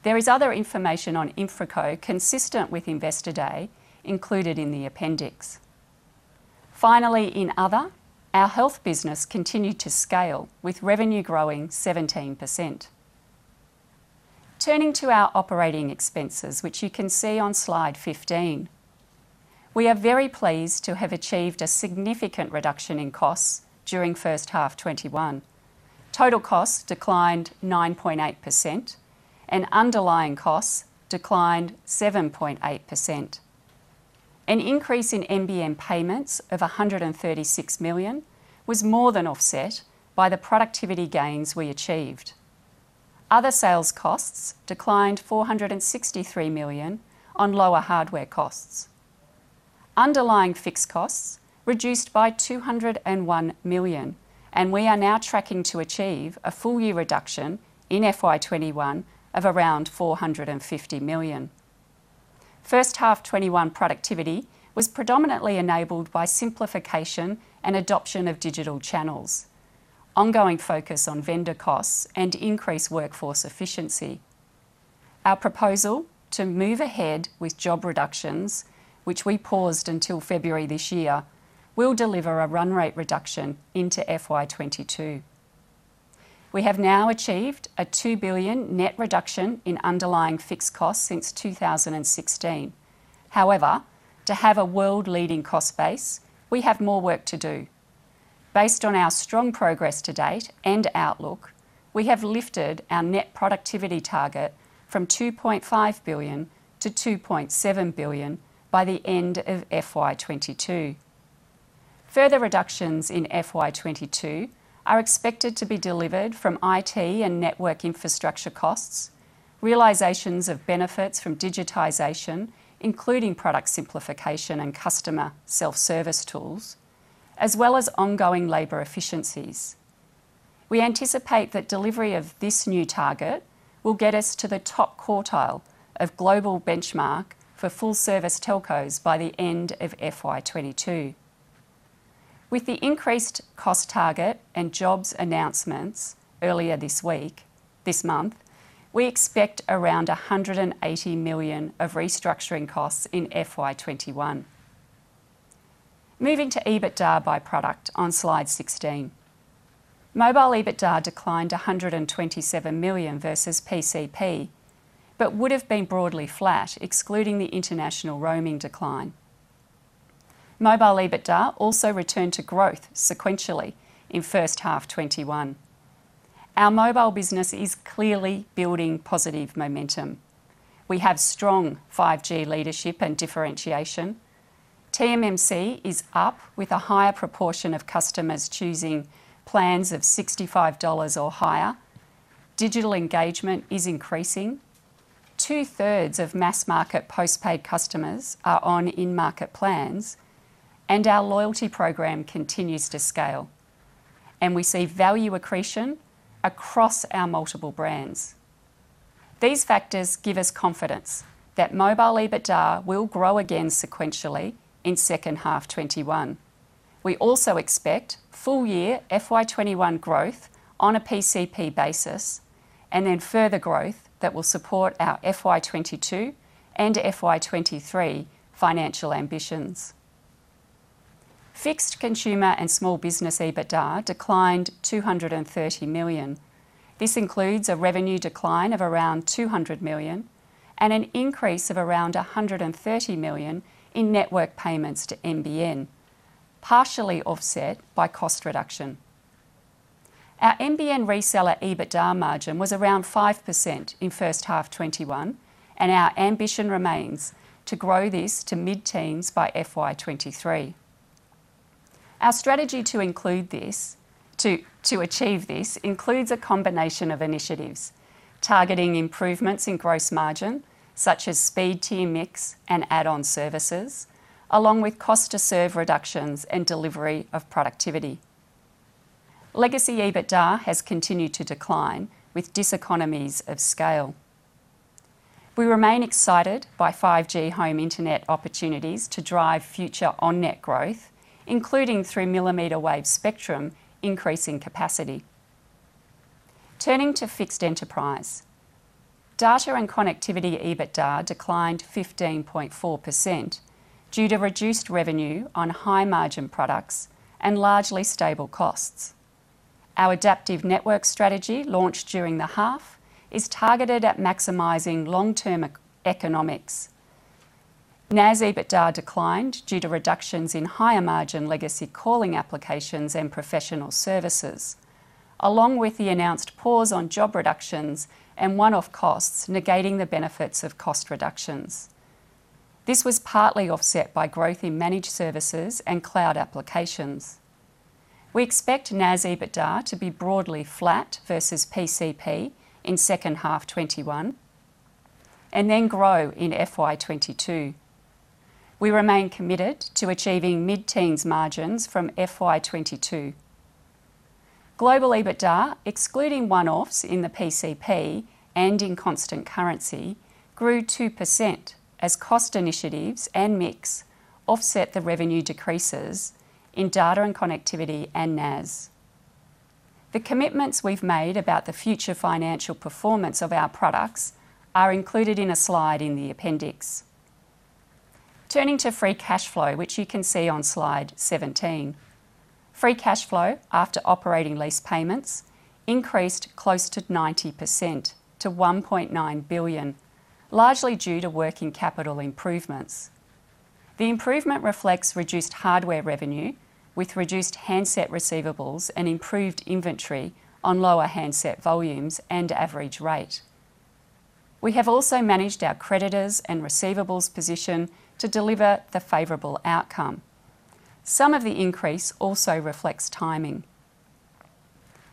There is other information on InfraCo consistent with Investor Day included in the appendix. Finally, in other, our health business continued to scale with revenue growing 17%. Turning to our operating expenses, which you can see on slide 15. We are very pleased to have achieved a significant reduction in costs during first half 2021. Total costs declined 9.8%, and underlying costs declined 7.8%. An increase in NBN payments of 136 million was more than offset by the productivity gains we achieved. Other sales costs declined 463 million on lower hardware costs. Underlying fixed costs reduced by 201 million, and we are now tracking to achieve a full year reduction in FY 2021 of around 450 million. First half 2021 productivity was predominantly enabled by simplification and adoption of digital channels, ongoing focus on vendor costs, and increased workforce efficiency. Our proposal to move ahead with job reductions, which we paused until February this year, will deliver a run rate reduction into FY22. We have now achieved an 2 billion net reduction in underlying fixed costs since 2016. However, to have a world-leading cost base, we have more work to do. Based on our strong progress to date and outlook, we have lifted our net productivity target from 2.5 billion to 2.7 billion by the end of FY22. Further reductions in FY22 are expected to be delivered from IT and network infrastructure costs, realizations of benefits from digitization, including product simplification and customer self-service tools, as well as ongoing labor efficiencies. We anticipate that delivery of this new target will get us to the top quartile of global benchmark for full service telcos by the end of FY 2022. With the increased cost target and jobs announcements earlier this month, we expect around 180 million of restructuring costs in FY 2021. Moving to EBITDA by product on slide 16. Mobile EBITDA declined to 127 million versus PCP, but would've been broadly flat, excluding the international roaming decline. Mobile EBITDA also returned to growth sequentially in first half 2021. Our mobile business is clearly building positive momentum. We have strong 5G leadership and differentiation. TMMC is up with a higher proportion of customers choosing plans of 65 dollars or higher. Digital engagement is increasing. 2/3 of mass market postpaid customers are on in-market plans, and our loyalty program continues to scale. We see value accretion across our multiple brands. These factors give us confidence that mobile EBITDA will grow again sequentially in second half 2021. We also expect full year FY 2021 growth on a PCP basis, then further growth that will support our FY 2022 and FY 2023 financial ambitions. Fixed consumer and small business EBITDA declined 230 million. This includes a revenue decline of around 200 million, an increase of around 130 million in network payments to NBN, partially offset by cost reduction. Our NBN reseller EBITDA margin was around 5% in first half 2021, our ambition remains to grow this to mid-teens by FY 2023. Our strategy to achieve this includes a combination of initiatives, targeting improvements in gross margin, such as speed tier mix and add-on services, along with cost to serve reductions and delivery of productivity. Legacy EBITDA has continued to decline with diseconomies of scale. We remain excited by 5G home internet opportunities to drive future on-net growth, including through millimeter wave spectrum, increasing capacity. Turning to fixed enterprise. Data and connectivity EBITDA declined 15.4% due to reduced revenue on high margin products and largely stable costs. Our adaptive network strategy, launched during the half, is targeted at maximizing long-term economics. NAS EBITDA declined due to reductions in higher margin legacy calling applications and professional services, along with the announced pause on job reductions and one-off costs negating the benefits of cost reductions. This was partly offset by growth in managed services and cloud applications. We expect NAS EBITDA to be broadly flat versus PCP in second half 2021, and then grow in FY 2022. We remain committed to achieving mid-teens margins from FY 2022. Global EBITDA, excluding one-offs in the PCP and in constant currency, grew 2% as cost initiatives and mix offset the revenue decreases in data and connectivity and NAS. The commitments we've made about the future financial performance of our products are included in a slide in the appendix. Turning to free cash flow, which you can see on slide 17. Free cash flow after operating lease payments increased close to 90%, to 1.9 billion, largely due to working capital improvements. The improvement reflects reduced hardware revenue, with reduced handset receivables and improved inventory on lower handset volumes and average rate. We have also managed our creditors and receivables position to deliver the favorable outcome. Some of the increase also reflects timing.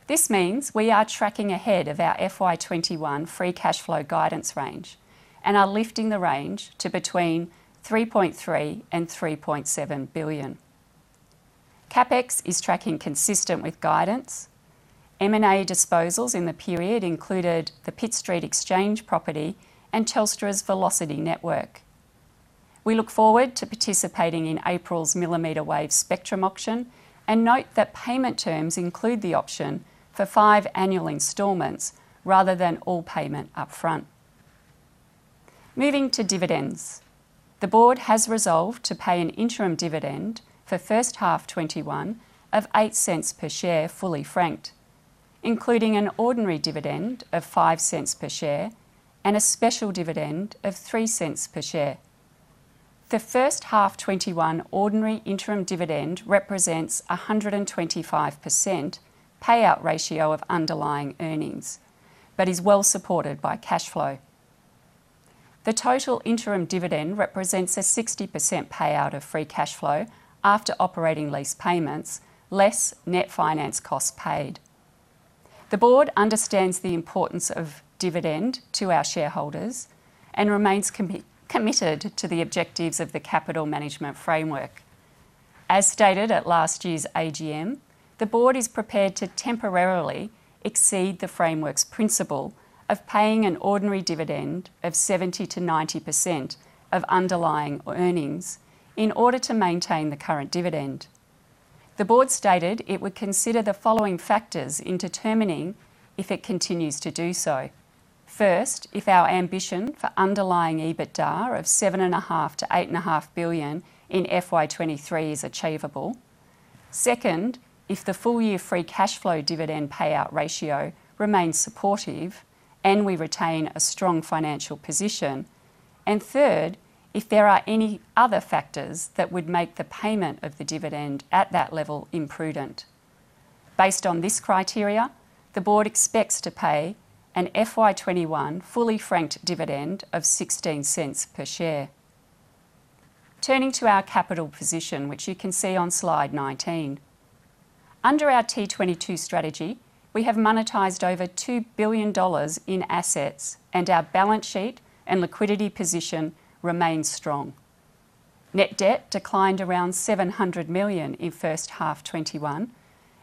This means we are tracking ahead of our FY21 free cash flow guidance range and are lifting the range to between 3.3 billion and 3.7 billion. CapEx is tracking consistent with guidance. M&A disposals in the period included the Pitt Street exchange property and Telstra's Velocity network. We look forward to participating in April's millimeter wave spectrum auction and note that payment terms include the option for five annual installments rather than all payment upfront. Moving to dividends. The board has resolved to pay an interim dividend for first half 2021 of 0.08 per share fully franked, including an ordinary dividend of 0.05 per share and a special dividend of 0.03 per share. The first half 2021 ordinary interim dividend represents 125% payout ratio of underlying earnings, but is well supported by cash flow. The total interim dividend represents a 60% payout of free cash flow after operating lease payments, less net finance costs paid. The board understands the importance of dividend to our shareholders and remains committed to the objectives of the capital management framework. As stated at last year's AGM, the board is prepared to temporarily exceed the framework's principle of paying an ordinary dividend of 70%-90% of underlying earnings in order to maintain the current dividend. The board stated it would consider the following factors in determining if it continues to do so. First, if our ambition for underlying EBITDA of 7.5 billion-8.5 billion in FY 2023 is achievable. Second, if the full-year free cash flow dividend payout ratio remains supportive and we retain a strong financial position. Third, if there are any other factors that would make the payment of the dividend at that level imprudent. Based on this criteria, the board expects to pay an FY 2021 fully franked dividend of 0.16 per share. Turning to our capital position, which you can see on slide 19. Under our T22 strategy, we have monetized over 2 billion dollars in assets, and our balance sheet and liquidity position remains strong. Net debt declined around 700 million in first half 2021,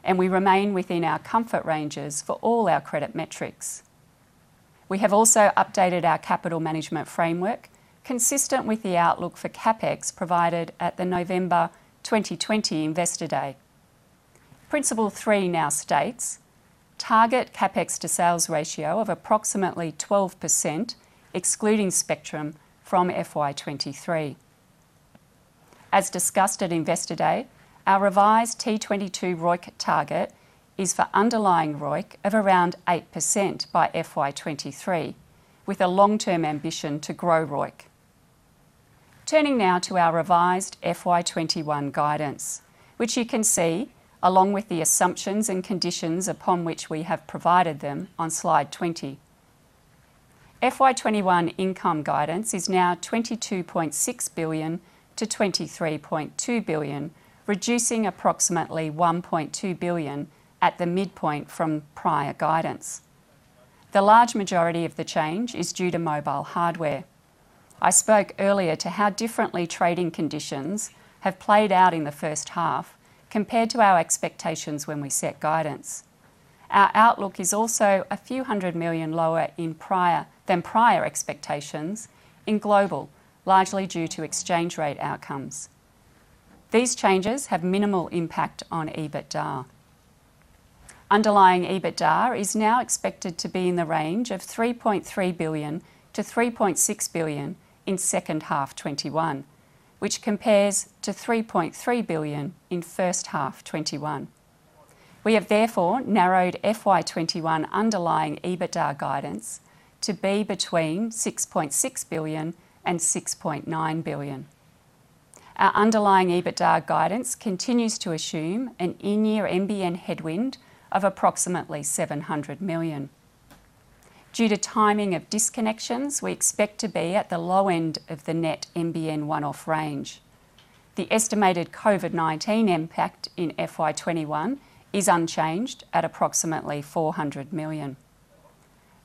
and we remain within our comfort ranges for all our credit metrics. We have also updated our capital management framework, consistent with the outlook for CapEx provided at the November 2020 Investor Day. Principle three now states, "Target CapEx to sales ratio of approximately 12%, excluding spectrum, from FY 2023." As discussed at Investor Day, our revised T22 ROIC target is for underlying ROIC of around 8% by FY 2023, with a long-term ambition to grow ROIC. Turning now to our revised FY 2021 guidance, which you can see, along with the assumptions and conditions upon which we have provided them, on Slide 20. FY 2021 income guidance is now 22.6 billion-23.2 billion, reducing approximately 1.2 billion at the midpoint from prior guidance. The large majority of the change is due to mobile hardware. I spoke earlier to how differently trading conditions have played out in the first half compared to our expectations when we set guidance. Our outlook is also AUD a few hundred million lower than prior expectations in global, largely due to exchange rate outcomes. These changes have minimal impact on EBITDA. Underlying EBITDA is now expected to be in the range of 3.3 billion-3.6 billion in second half 2021, which compares to 3.3 billion in first half 2021. We have therefore narrowed FY 2021 underlying EBITDA guidance to be between 6.6 billion and 6.9 billion. Our underlying EBITDA guidance continues to assume an in-year NBN headwind of approximately 700 million. Due to timing of disconnections, we expect to be at the low end of the net NBN one-off range. The estimated COVID-19 impact in FY21 is unchanged at approximately 400 million.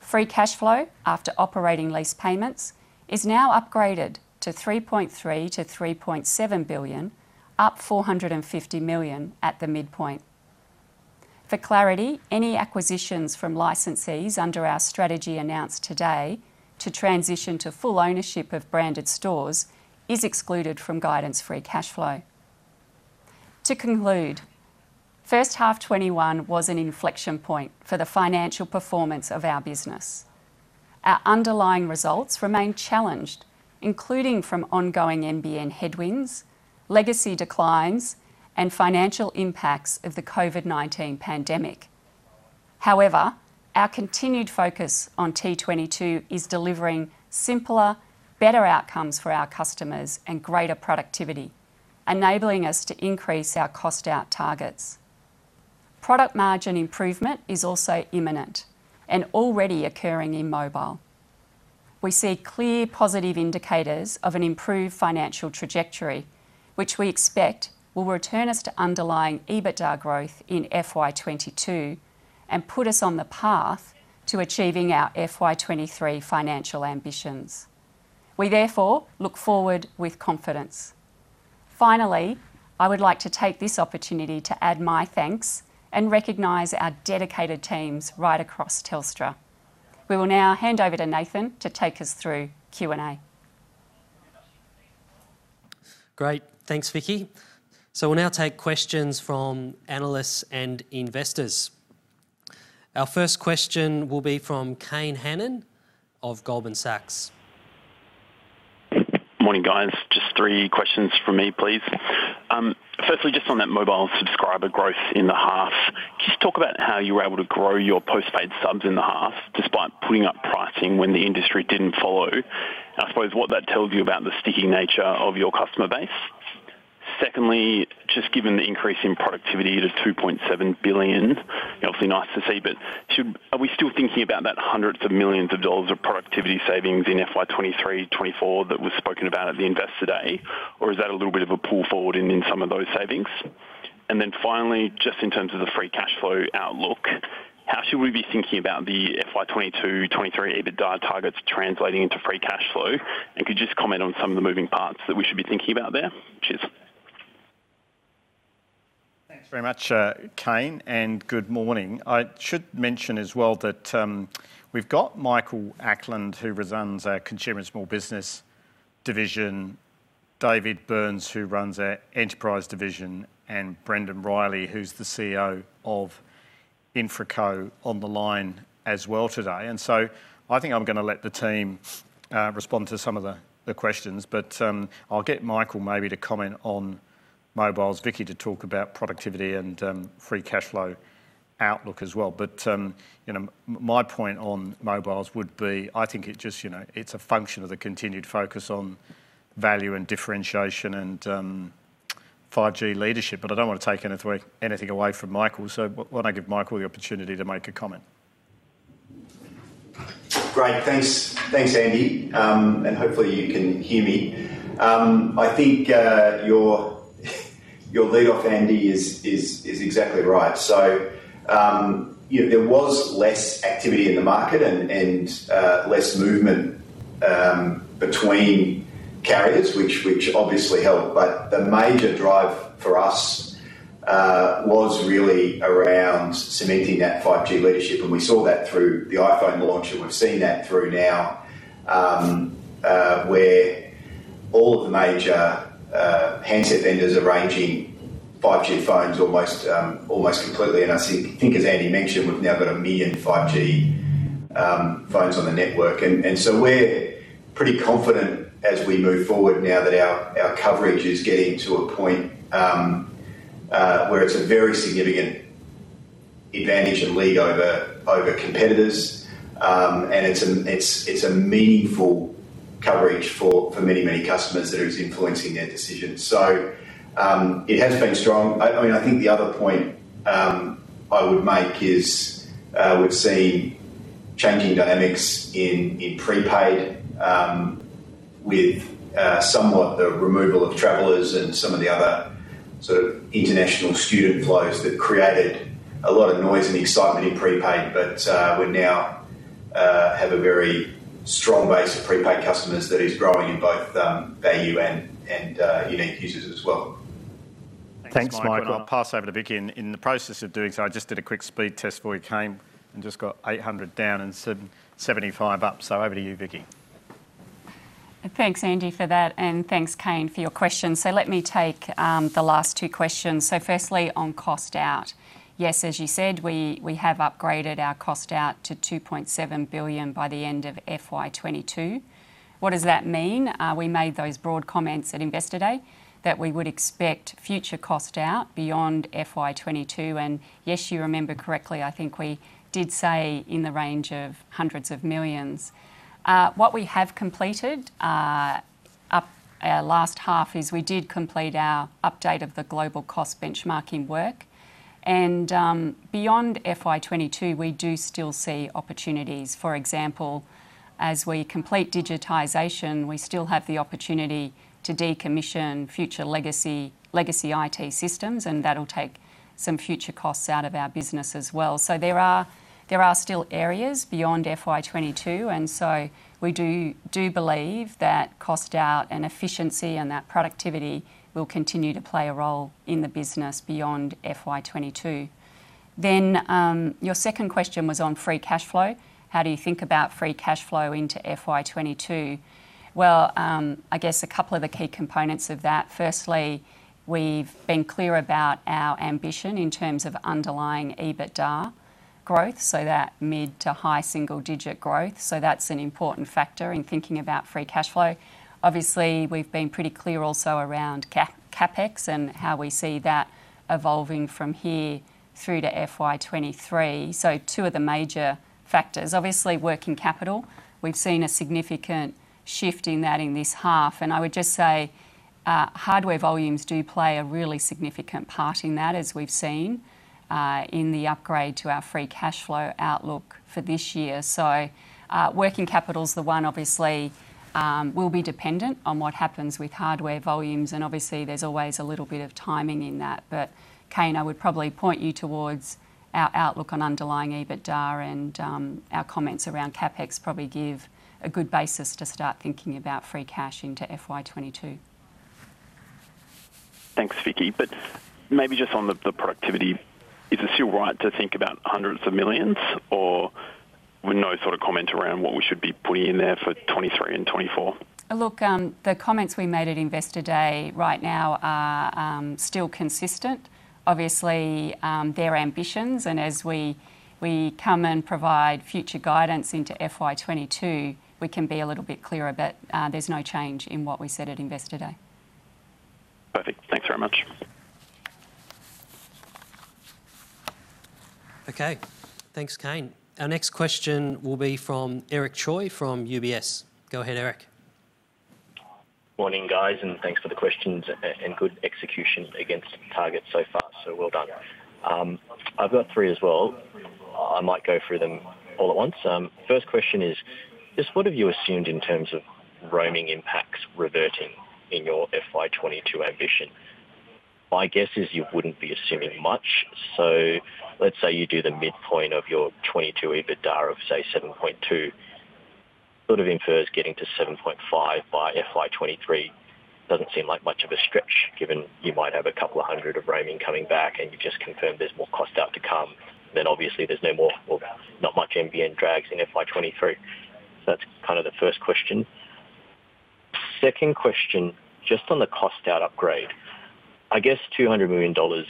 Free cash flow after operating lease payments is now upgraded to 3.3 billion-3.7 billion, up 450 million at the midpoint. For clarity, any acquisitions from licensees under our strategy announced today to transition to full ownership of branded stores is excluded from guidance free cash flow. To conclude, first half 2021 was an inflection point for the financial performance of our business. Our underlying results remain challenged, including from ongoing NBN headwinds, legacy declines, and financial impacts of the COVID-19 pandemic. However, our continued focus on T22 is delivering simpler, better outcomes for our customers and greater productivity, enabling us to increase our cost out targets. Product margin improvement is also imminent and already occurring in mobile. We see clear positive indicators of an improved financial trajectory, which we expect will return us to underlying EBITDA growth in FY22 and put us on the path to achieving our FY23 financial ambitions. We therefore look forward with confidence. Finally, I would like to take this opportunity to add my thanks and recognize our dedicated teams right across Telstra. We will now hand over to Nathan to take us through Q&A. Great. Thanks, Vicki. We'll now take questions from analysts and investors. Our first question will be from Kane Hannan of Goldman Sachs. Morning, guys. Just three questions from me, please. Firstly, just on that mobile subscriber growth in the half, can you just talk about how you were able to grow your post-paid subs in the half, despite putting up pricing when the industry didn't follow? I suppose, what that tells you about the sticky nature of your customer base? Secondly, just given the increase in productivity to 2.7 billion, obviously nice to see, but are we still thinking about that hundreds of millions of AUD of productivity savings in FY 2023, FY 2024 that was spoken about at the Investor Day, or is that a little bit of a pull forward in some of those savings? Finally, just in terms of the free cash flow outlook. How should we be thinking about the FY 2022, FY 2023 EBITDA targets translating into free cash flow? Could you just comment on some of the moving parts that we should be thinking about there? Cheers. Thanks very much Kane. Good morning. I should mention as well that we've got Michael Ackland, who runs our Consumer & Small Business division, David Burns, who runs our Enterprise division, and Brendon Riley, who's the CEO of InfraCo on the line as well today. I think I'm going to let the team respond to some of the questions. I'll get Michael maybe to comment on mobiles, Vicki to talk about productivity and free cash flow outlook as well. My point on mobiles would be, I think it's a function of the continued focus on value and differentiation and 5G leadership. I don't want to take anything away from Michael, so why don't I give Michael the opportunity to make a comment? Great thanks Andy. Hopefully you can hear me. I think your lead off, Andy, is exactly right. There was less activity in the market and less movement between carriers, which obviously helped. The major drive for us was really around cementing that 5G leadership, and we saw that through the iPhone launch, and we've seen that through now, where all of the major handset vendors are ranging 5G phones almost completely. I think as Andy mentioned, we've now got 1 million 5G phones on the network. We're pretty confident as we move forward now that our coverage is getting to a point where it's a very significant advantage and lead over competitors. It's a meaningful coverage for many, many customers that is influencing their decisions. It has been strong. I think the other point I would make is we've seen changing dynamics in prepaid with somewhat the removal of travelers and some of the other sort of international student flows that created a lot of noise and excitement in prepaid. We now have a very strong base of prepaid customers that is growing in both value and unique users as well. Thanks Michael. I'll pass over to Vicki. In the process of doing so, I just did a quick speed test for you, Kane, just got 800 down and 75 up. Over to you, Vicki. Thanks Andy for that and thanks Kane, for your question. Let me take the last two questions. Firstly, on cost out. Yes, as you said, we have upgraded our cost out to 2.7 billion by the end of FY 2022. What does that mean? We made those broad comments at Investor Day that we would expect future cost out beyond FY 2022. Yes, you remember correctly, I think we did say in the range of hundreds of millions. What we have completed up our last half is we did complete our update of the global cost benchmarking work. Beyond FY 2022, we do still see opportunities. For example, as we complete digitization, we still have the opportunity to decommission future legacy IT systems, and that'll take some future costs out of our business as well. There are still areas beyond FY22, and so we do believe that cost out and efficiency and that productivity will continue to play a role in the business beyond FY22. Your second question was on free cash flow. How do you think about free cash flow into FY22? I guess a couple of the key components of that. Firstly, we've been clear about our ambition in terms of underlying EBITDA growth, so that mid to high single digit growth. That's an important factor in thinking about free cash flow. Obviously, we've been pretty clear also around CapEx and how we see that evolving from here through to FY23. Two of the major factors. Obviously, working capital, we've seen a significant shift in that in this half. I would just say hardware volumes do play a really significant part in that, as we've seen in the upgrade to our free cash flow outlook for this year. Working capital's the one obviously will be dependent on what happens with hardware volumes, and obviously there's always a little bit of timing in that. Kane, I would probably point you towards our outlook on underlying EBITDA and our comments around CapEx probably give a good basis to start thinking about free cash into FY 2022. Thanks, Vicki. Maybe just on the productivity, is it still right to think about AUD hundreds of millions? Or no sort of comment around what we should be putting in there for FY 2023 and FY 2024? Look, the comments we made at Investor Day right now are still consistent. Obviously, they're ambitions, and as we come and provide future guidance into FY 2022, we can be a little bit clearer. There's no change in what we said at Investor Day. Perfect. Thanks very much. Okay thanks Kane. Our next question will be from Eric Choi from UBS. Go ahead, Eric. Morning guys thanks for the questions and good execution against target so far. Well done. I've got three as well. I might go through them all at once. First question is, just what have you assumed in terms of roaming impacts reverting in your FY22 ambition? My guess is you wouldn't be assuming much. Let's say you do the midpoint of your FY22 EBITDA of, say, 7.2. Sort of infers getting to 7.5 by FY23. Doesn't seem like much of a stretch, given you might have a couple of 200 of roaming coming back and you just confirmed there's more cost out to come. Obviously there's not much NBN drags in FY23. That's kind of the first question. Second question, just on the cost out upgrade. I guess 200 million dollars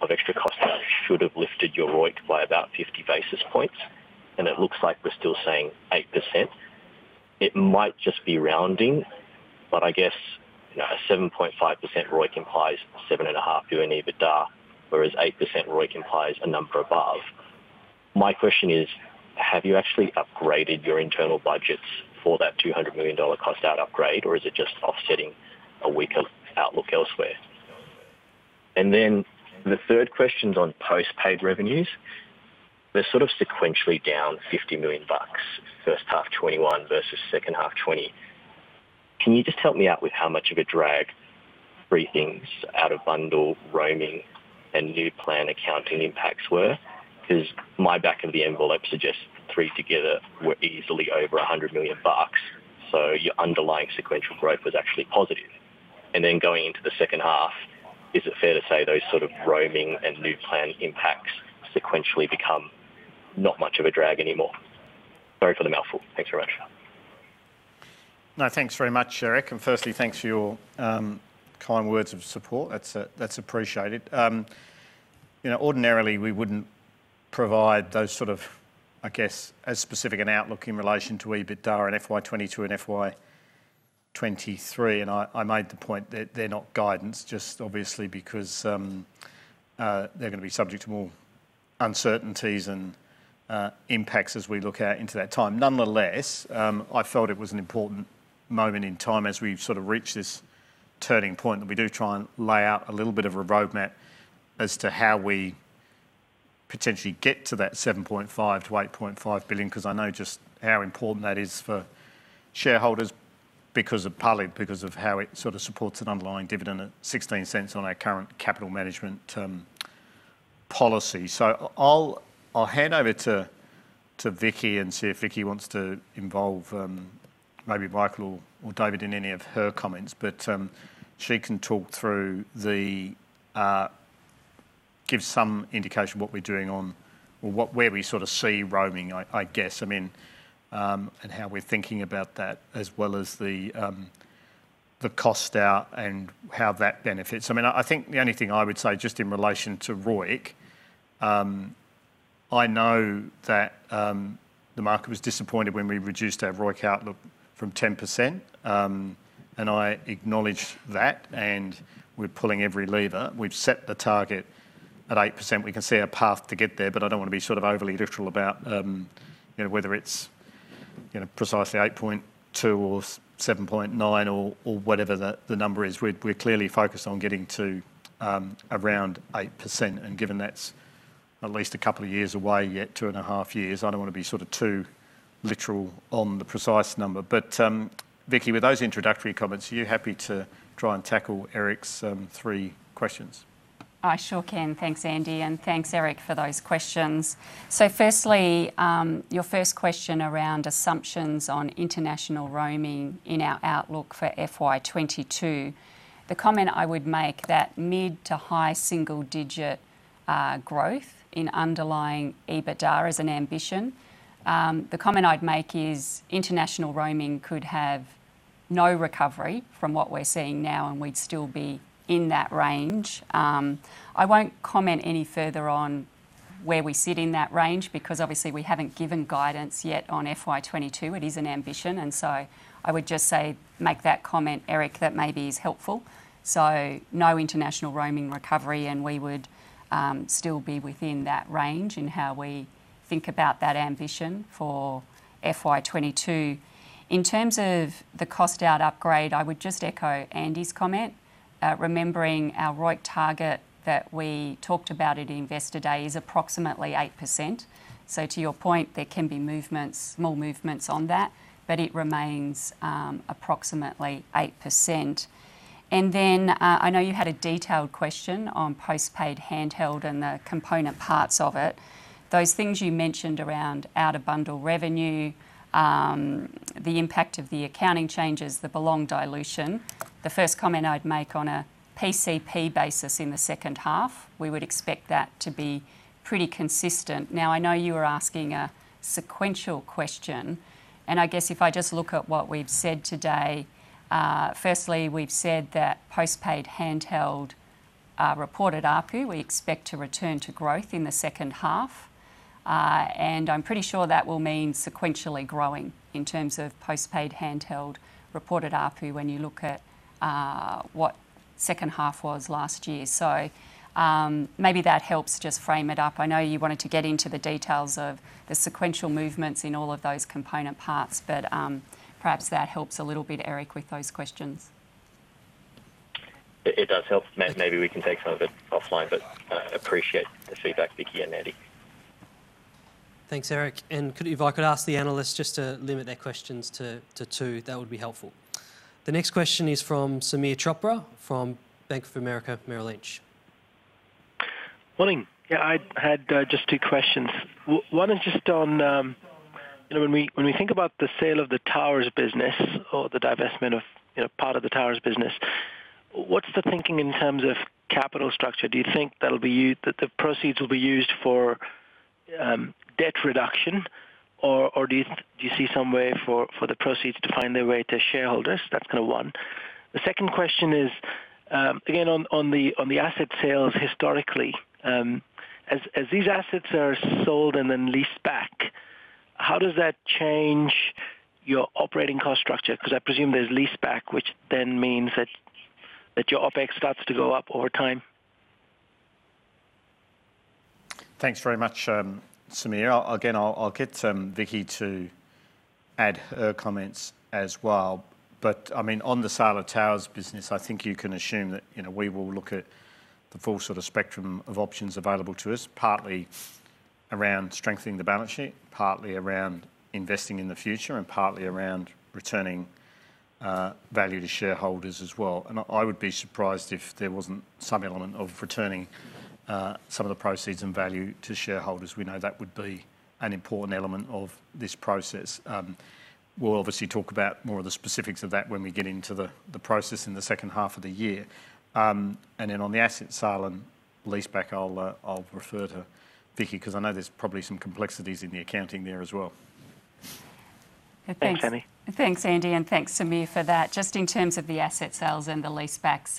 of extra cost out should have lifted your ROIC by about 50 basis points, and it looks like we're still saying 8%. It might just be rounding, but I guess a 7.5% ROIC implies 7.5 to an EBITDA, whereas 8% ROIC implies a number above. My question is, have you actually upgraded your internal budgets for that 200 million dollar cost out upgrade, or is it just offsetting a weaker outlook elsewhere? The third question's on postpaid revenues. They're sort of sequentially down 50 million bucks, first half FY21 versus second half FY20. Can you just help me out with how much of a drag briefings out of bundle roaming and new plan accounting impacts were? Because my back of the envelope suggests the three together were easily over 100 million bucks. So your underlying sequential growth was actually positive. Then going into the second half, is it fair to say those sort of roaming and new plan impacts sequentially become not much of a drag anymore? Sorry for the mouthful. Thanks very much. No thanks very much Eric. Firstly, thanks for your kind words of support. That's appreciated. Ordinarily, we wouldn't provide those sort of, I guess, as specific an outlook in relation to EBITDA and FY22 and FY23. I made the point that they're not guidance, just obviously because they're going to be subject to more uncertainties and impacts as we look out into that time. Nonetheless, I felt it was an important moment in time as we've sort of reached this turning point that we do try and lay out a little bit of a roadmap as to how we potentially get to that 7.5 billion-8.5 billion, because I know just how important that is for shareholders, partly because of how it sort of supports an underlying dividend at 0.16 on our current capital management policy. I'll hand over to Vicki and see if Vicki wants to involve maybe Michael or David in any of her comments, but she can talk through the give some indication what we're doing on or where we sort of see roaming, I guess, and how we're thinking about that, as well as the cost out and how that benefits. The only thing I would say just in relation to ROIC, I know that the market was disappointed when we reduced our ROIC outlook from 10%, and I acknowledge that, and we're pulling every lever. We've set the target at 8%. We can see a path to get there, but I don't want to be overly literal about whether it's precisely 8.2 or 7.9 or whatever the number is. We're clearly focused on getting to around 8%, and given that's at least a couple of years away yet, two and a half years, I don't want to be sort of too literal on the precise number. Vicki, with those introductory comments, are you happy to try and tackle Eric's three questions? I sure can. Thanks Andy and thanks Eric, for those questions. Firstly, your first question around assumptions on international roaming in our outlook for FY22. The comment I would make that mid to high single-digit growth in underlying EBITDA is an ambition. The comment I'd make is international roaming could have no recovery from what we're seeing now, and we'd still be in that range. I won't comment any further on where we sit in that range because obviously we haven't given guidance yet on FY22. It is an ambition, I would just, say, make that comment, Eric, that maybe is helpful. No international roaming recovery, and we would still be within that range in how we think about that ambition for FY22. In terms of the cost out upgrade, I would just echo Andy's comment, remembering our ROIC target that we talked about at Investor Day is approximately 8%. To your point, there can be small movements on that, but it remains approximately 8%. I know you had a detailed question on postpaid handheld and the component parts of it. Those things you mentioned around out-of-bundle revenue, the impact of the accounting changes, the Belong dilution. The first comment I'd make on a PCP basis in the second half, we would expect that to be pretty consistent. I know you were asking a sequential question, and I guess if I just look at what we've said today, firstly, we've said that postpaid handheld reported ARPU, we expect to return to growth in the second half. I'm pretty sure that will mean sequentially growing in terms of postpaid handheld reported ARPU when you look at what second half was last year. Maybe that helps just frame it up. I know you wanted to get into the details of the sequential movements in all of those component parts, but perhaps that helps a little bit, Eric, with those questions. It does help. Maybe we can take some of it offline, but appreciate the feedback, Vicki and Andy. Thanks Eric. If I could ask the analysts just to limit their questions to two, that would be helpful. The next question is from Sameer Chopra from Bank of America Merrill Lynch. Morning. Yeah, I had just two questions. One is just on, when we think about the sale of the towers business or the divestment of part of the towers business, what's the thinking in terms of capital structure? Do you think that the proceeds will be used for debt reduction? Do you see some way for the proceeds to find their way to shareholders? That's kind of one. The second question is, again, on the asset sales historically. As these assets are sold and leased back, how does that change your operating cost structure? I presume there's leaseback, which means that your OpEx starts to go up over time. Thanks very much Sameer. Again, I'll get Vicki to add her comments as well. On the sale of towers business, I think you can assume that we will look at the full sort of spectrum of options available to us, partly around strengthening the balance sheet, partly around investing in the future, and partly around returning value to shareholders as well. I would be surprised if there wasn't some element of returning some of the proceeds and value to shareholders. We know that would be an important element of this process. We'll obviously talk about more of the specifics of that when we get into the process in the second half of the year. On the asset sale and leaseback, I'll refer to Vicki, because I know there's probably some complexities in the accounting there as well. Thanks Andy. Thanks Andy and thanks Sameer, for that. Just in terms of the asset sales and the leasebacks.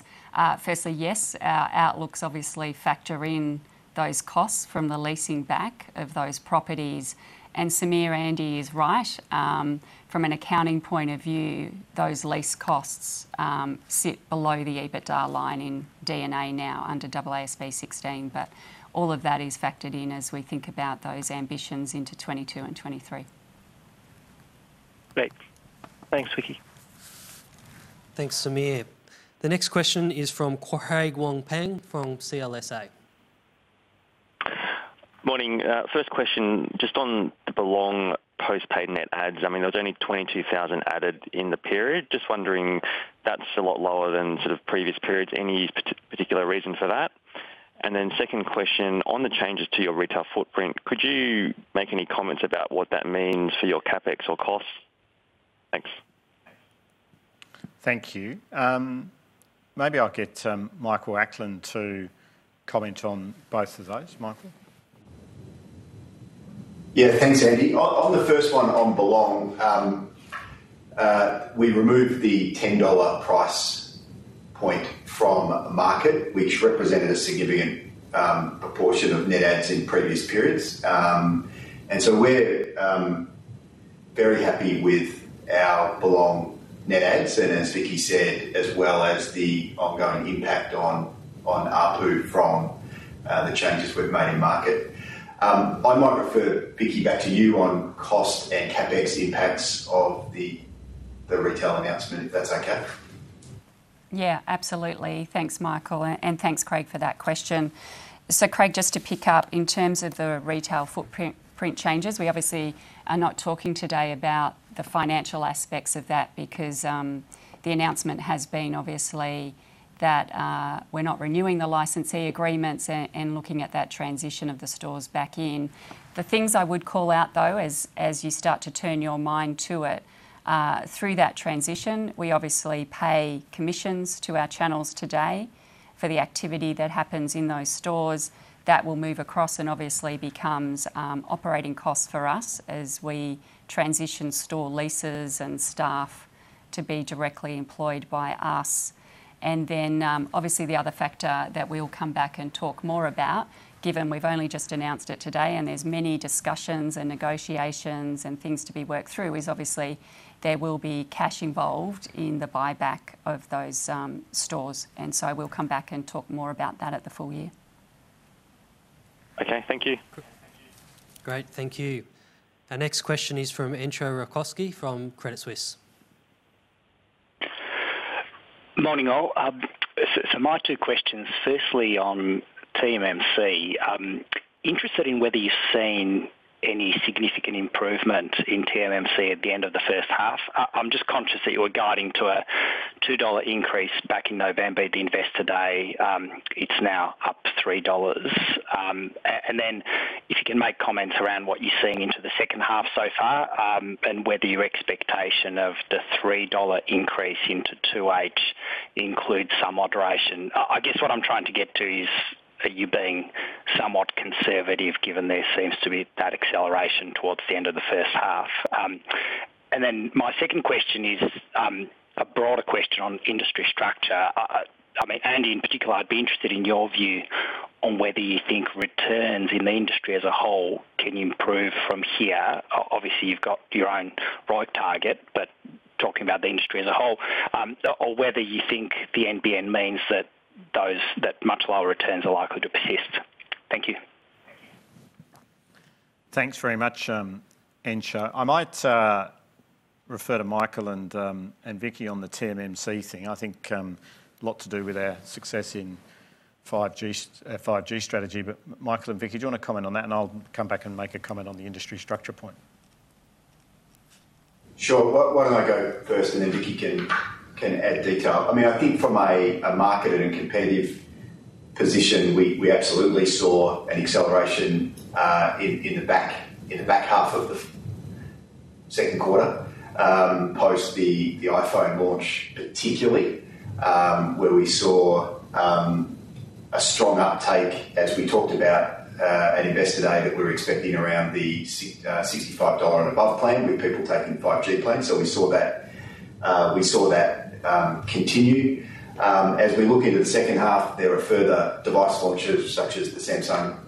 Firstly, yes, our outlook's obviously factor in those costs from the leasing back of those properties. Sameer, Andy is right. From an accounting point of view, those lease costs sit below the EBITDA line in D&A now under AASB 16. All of that is factored in as we think about those ambitions into 2022 and 2023. Great. Thanks Vicki. Thanks Sameer. The next question is from Craig Wong-Pan from CLSA. Morning. First question, just on the Belong post-paid net adds. There's only 22,000 added in the period. Just wondering, that's a lot lower than sort of previous periods. Any particular reason for that? Then second question, on the changes to your retail footprint, could you make any comments about what that means for your CapEx or costs? Thanks. Thank you. Maybe I'll get Michael Ackland to comment on both of those. Michael? Yeah. Thanks Andy. On the first one on Belong, we removed the 10 dollar price point from market, which represented a significant proportion of net adds in previous periods. We're very happy with our Belong net adds, and as Vicki said, as well as the ongoing impact on ARPU from the changes we've made in market. I might refer Vicki back to you on cost and CapEx impacts of the retail announcement, if that's okay. Yeah, absolutely. Thanks Michael. Thanks, Craig, for that question. Craig, just to pick up in terms of the retail footprint changes, we obviously are not talking today about the financial aspects of that because the announcement has been obviously that we're not renewing the licensee agreements and looking at that transition of the stores back in. The things I would call out, though, as you start to turn your mind to it, through that transition, we obviously pay commissions to our channels today for the activity that happens in those stores. That will move across and obviously becomes operating costs for us as we transition store leases and staff to be directly employed by us. Obviously the other factor that we'll come back and talk more about, given we've only just announced it today and there's many discussions and negotiations and things to be worked through, is obviously there will be cash involved in the buyback of those stores. We'll come back and talk more about that at the full year. Okay. Thank you. Great thank you. Our next question is from Entcho Raykovski from Credit Suisse. Morning, all. My two questions, firstly on TMMC. I'm interested in whether you've seen any significant improvement in TMMC at the end of the first half. I'm just conscious that you were guiding to an 2 dollar increase back in November at the Investor Day. It's now up 3 dollars. If you can make comments around what you're seeing into the second half so far, and whether your expectation of the 3 dollar increase into 2H includes some moderation. I guess what I'm trying to get to is, are you being somewhat conservative given there seems to be that acceleration towards the end of the first half? My second question is a broader question on industry structure. Andy, in particular, I'd be interested in your view on whether you think returns in the industry as a whole can improve from here. You've got your own ROIC target, talking about the industry as a whole, whether you think the NBN means that much lower returns are likely to persist? Thank you. Thanks very much Entcho. I might refer to Michael and Vicki on the TMMC thing. I think a lot to do with our success in our 5G strategy. Michael and Vicki, do you want to comment on that? I'll come back and make a comment on the industry structure point. Sure. Why don't I go first and then Vicki can add detail. I think from a market and competitive position, we absolutely saw an acceleration in the back half of the second quarter, post the iPhone launch, particularly, where we saw a strong uptake, as we talked about at Investor Day, that we were expecting around the 65 dollar and above plan, with people taking the 5G plan. We saw that continue. As we look into the second half, there are further device launches, such as the Samsung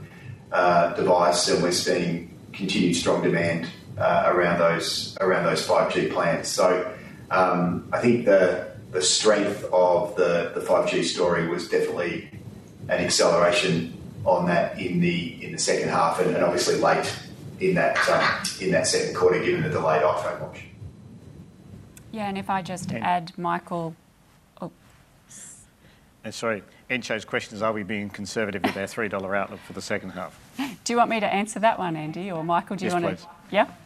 device, and we're seeing continued strong demand around those 5G plans. I think the strength of the 5G story was definitely an acceleration on that in the second half, and obviously late in that second quarter, given the delayed iPhone launch. Yeah, and if I just add, Michael Oops. Sorry. Entcho's questions, are we being conservative with our 3 dollar outlook for the second half? Do you want me to answer that one, Andy, or Michael? Yes, please.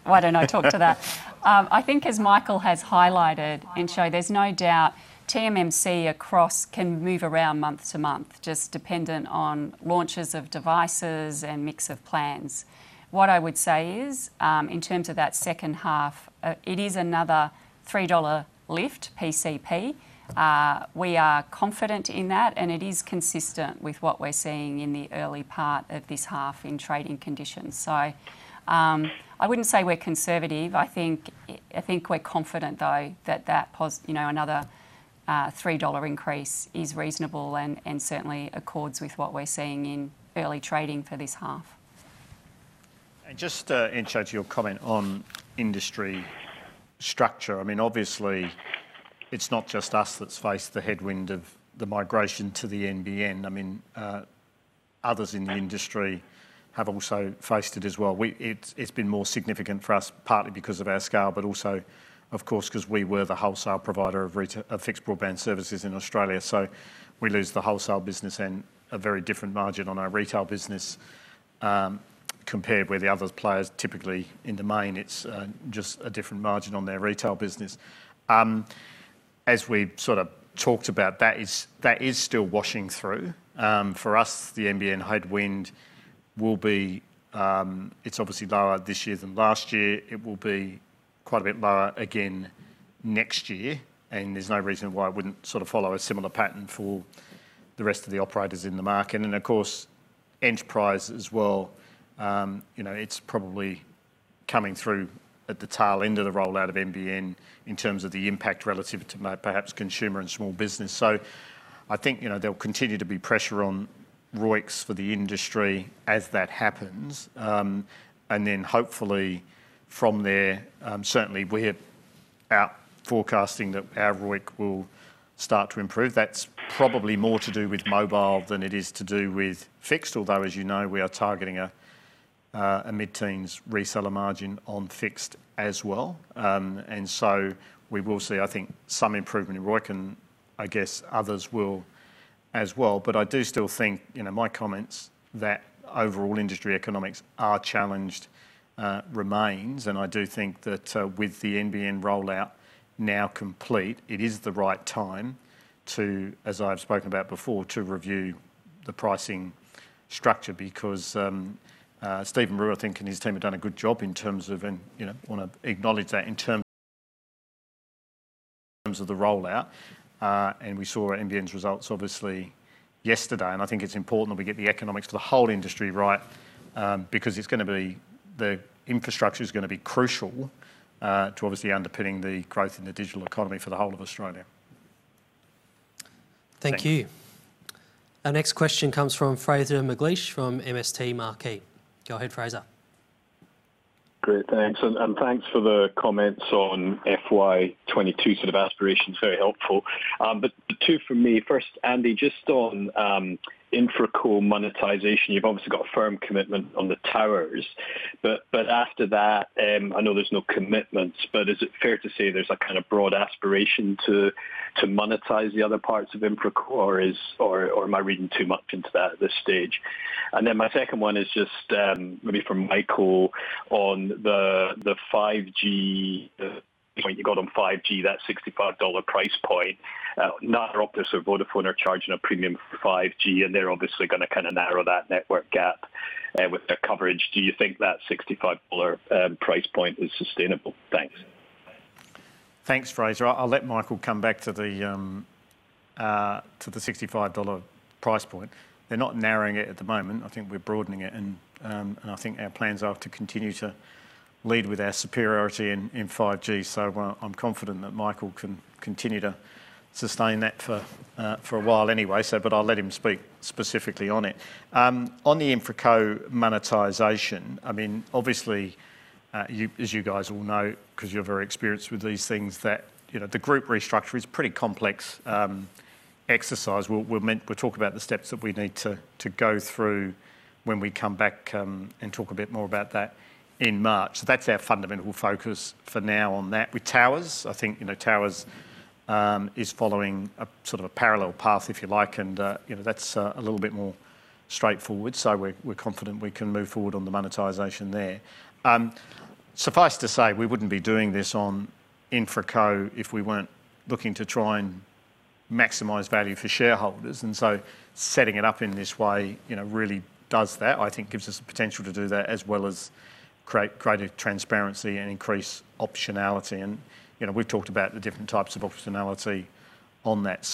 Why don't I talk to that? I think as Michael has highlighted Entcho, there's no doubt TMMC across can move around month to month, just dependent on launches of devices and mix of plans. What I would say is, in terms of that second half, it is another 3 dollar lift PCP. We are confident in that, and it is consistent with what we're seeing in the early part of this half in trading conditions. I wouldn't say we're conservative. I think we're confident, though, that another 3 dollar increase is reasonable and certainly accords with what we're seeing in early trading for this half. Just, Entcho, to your comment on industry structure. Obviously, it's not just us that's faced the headwind of the migration to the NBN. Others in the industry have also faced it as well. It's been more significant for us partly because of our scale, but also of course, because we were the wholesale provider of fixed broadband services in Australia. We lose the wholesale business and a very different margin on our retail business, compared with the other players. Typically, in the main, it's just a different margin on their retail business. As we sort of talked about, that is still washing through. For us, the NBN headwind, it's obviously lower this year than last year. It will be quite a bit lower again next year, and there's no reason why it wouldn't follow a similar pattern for the rest of the operators in the market. Of course, enterprise as well. It's probably coming through at the tail end of the rollout of NBN in terms of the impact relative to perhaps consumer and small business. I think there'll continue to be pressure on ROICs for the industry as that happens. Then hopefully from there, certainly we're forecasting that our ROIC will start to improve. That's probably more to do with mobile than it is to do with fixed, although, as you know, we are targeting a mid-teens reseller margin on fixed as well. So we will see, I think, some improvement in ROIC, and I guess others will as well. I do still think, my comments that overall industry economics are challenged, remains. I do think that with the NBN rollout now complete, it is the right time to, as I've spoken about before, to review the pricing structure. Stephen Rue, I think, and his team have done a good job. I want to acknowledge that in terms of the rollout. We saw NBN's results, obviously yesterday. I think it's important that we get the economics for the whole industry right, because the infrastructure is going to be crucial to obviously underpinning the growth in the digital economy for the whole of Australia. Thank you. Our next question comes from Fraser McLeish from MST Marquee. Go ahead, Fraser. Great. Thanks. And thanks for the comments on FY22 sort of aspirations. Very helpful. Two from me. First, Andy, just on InfraCo monetization. You've obviously got a firm commitment on the towers. After that, I know there's no commitments, but is it fair to say there's a kind of broad aspiration to monetize the other parts of InfraCo, or am I reading too much into that at this stage? Then my second one is just maybe for Michael on the point you got on 5G, that 65 dollar price point. Neither Optus or Vodafone are charging a premium for 5G, and they're obviously going to narrow that network gap with their coverage. Do you think that AUD 65 price point is sustainable? Thanks. Thanks Fraser. I'll let Michael come back to the 65 dollar price point. They're not narrowing it at the moment. I think we're broadening it, and I think our plans are to continue to lead with our superiority in 5G. I'm confident that Michael can continue to sustain that for a while anyway. I'll let him speak specifically on it. On the InfraCo monetization, obviously, as you guys all know because you're very experienced with these things, that the group restructure is a pretty complex exercise. We'll talk about the steps that we need to go through when we come back and talk a bit more about that in March. That's our fundamental focus for now on that. With towers, I think towers is following a parallel path, if you like, and that's a little bit more straightforward. We're confident we can move forward on the monetization there. Suffice to say, we wouldn't be doing this on InfraCo if we weren't looking to try and maximize value for shareholders. Setting it up in this way really does that, I think gives us the potential to do that as well as create greater transparency and increase optionality. We've talked about the different types of optionality on that.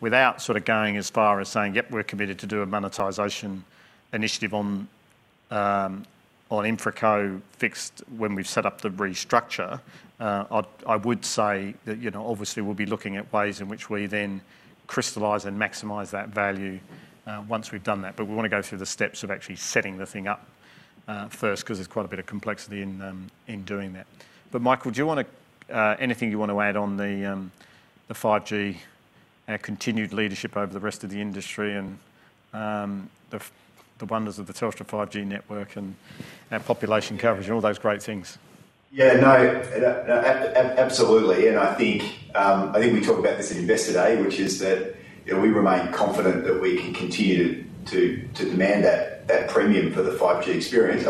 Without going as far as saying, yep, we're committed to do a monetization initiative on InfraCo Fixed when we've set up the restructure, I would say that obviously we'll be looking at ways in which we then crystallize and maximize that value once we've done that. We want to go through the steps of actually setting the thing up first, because there's quite a bit of complexity in doing that. Michael, anything you want to add on the 5G, our continued leadership over the rest of the industry and the wonders of the Telstra 5G network and our population coverage and all those great things? Yeah, no. Absolutely. I think we talked about this at Investor Day, which is that we remain confident that we can continue to demand that premium for the 5G experience.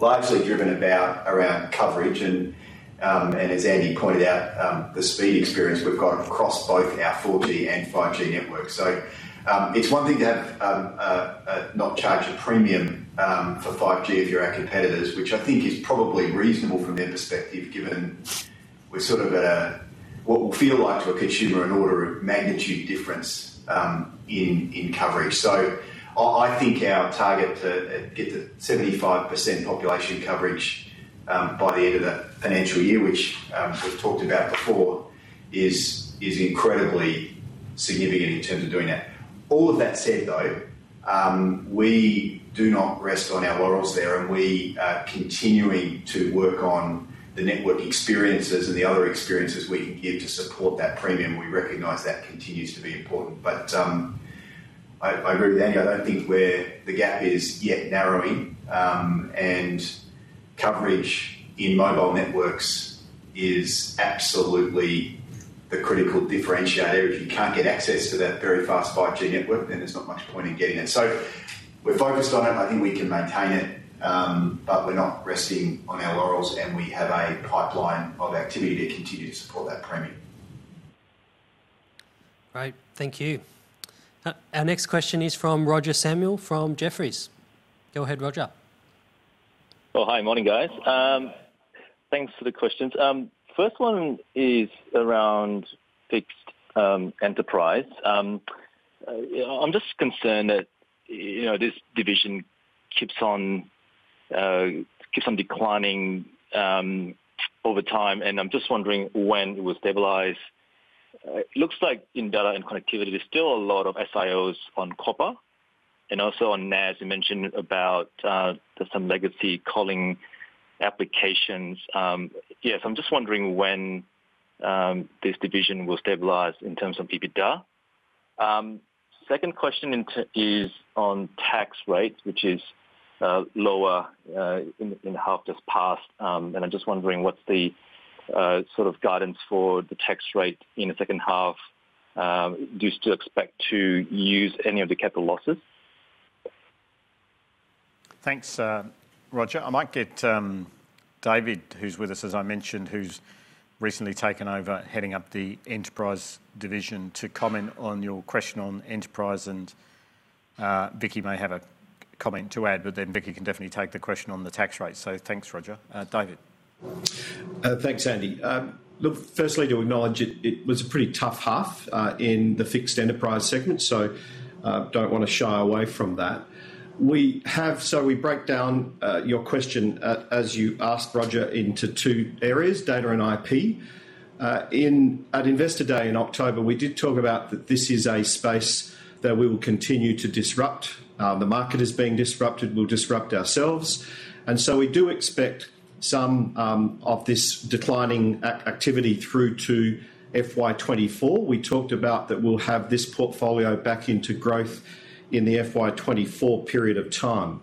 Largely driven around coverage and, as Andy pointed out, the speed experience we've got across both our 4G and 5G networks. It's one thing to not charge a premium for 5G if you're our competitors, which I think is probably reasonable from their perspective given we're sort of at a, what will feel like to a consumer, an order of magnitude difference in coverage. I think our target to get to 75% population coverage by the end of the financial year, which we've talked about before, is incredibly significant in terms of doing that. All of that said, though, we do not rest on our laurels there, and we are continuing to work on the network experiences and the other experiences we give to support that premium. We recognize that continues to be important. I agree with Andy, I don't think the gap is yet narrowing, and coverage in mobile networks is absolutely the critical differentiator. If you can't get access to that very fast 5G network, then there's not much point in getting it. We're focused on it and I think we can maintain it, but we're not resting on our laurels, and we have a pipeline of activity to continue to support that premium. Great Thank you. Our next question is from Roger Samuel from Jefferies. Go ahead, Roger. Well hi morning, guys. Morning. Thanks for the questions. First one is around fixed Enterprise. I'm concerned that this division keeps on declining over time, and I'm wondering when it will stabilize. It looks like in data and connectivity, there's still a lot of SIOs on copper, and also on NAS, you mentioned there's some legacy calling applications. Yeah. I'm wondering when this division will stabilize in terms of EBITDA. Second question is on tax rates, which is lower in the half just passed. I'm wondering what's the guidance for the tax rate in the second half. Do you still expect to use any of the capital losses? Thanks Roger. I might get David, who's with us, as I mentioned, who's recently taken over heading up the Enterprise division, to comment on your question on Enterprise. Vicki may have a comment to add, Vicki can definitely take the question on the tax rate. Thanks Roger. David. Thanks Andy. Look, firstly to acknowledge it was a pretty tough half in the fixed enterprise segment, don't want to shy away from that. We break down your question as you asked, Roger, into two areas, data and IP. At Investor Day in October, we did talk about that this is a space that we will continue to disrupt. The market is being disrupted. We'll disrupt ourselves. We do expect some of this declining activity through to FY 2024. We talked about that we'll have this portfolio back into growth in the FY 2024 period of time.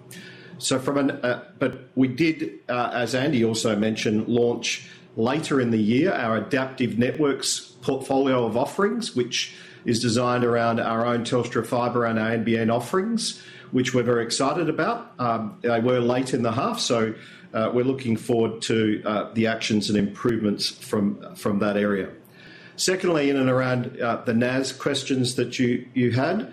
We did, as Andy also mentioned, launch later in the year our Adaptive Networks portfolio of offerings, which is designed around our own Telstra Fibre and NBN offerings, which we're very excited about. They were late in the half. We're looking forward to the actions and improvements from that area. Secondly, in and around the NAS questions that you had.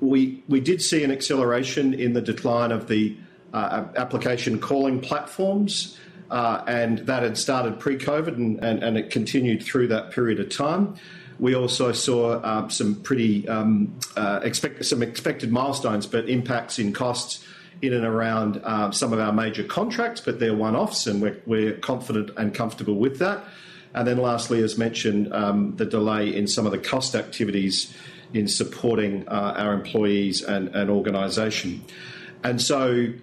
We did see an acceleration in the decline of the application calling platforms, and that had started pre-COVID, and it continued through that period of time. We also saw some expected milestones, but impacts in costs in and around some of our major contracts, but they're one-offs, and we're confident and comfortable with that. Lastly, as mentioned, the delay in some of the cost activities in supporting our employees and organization. There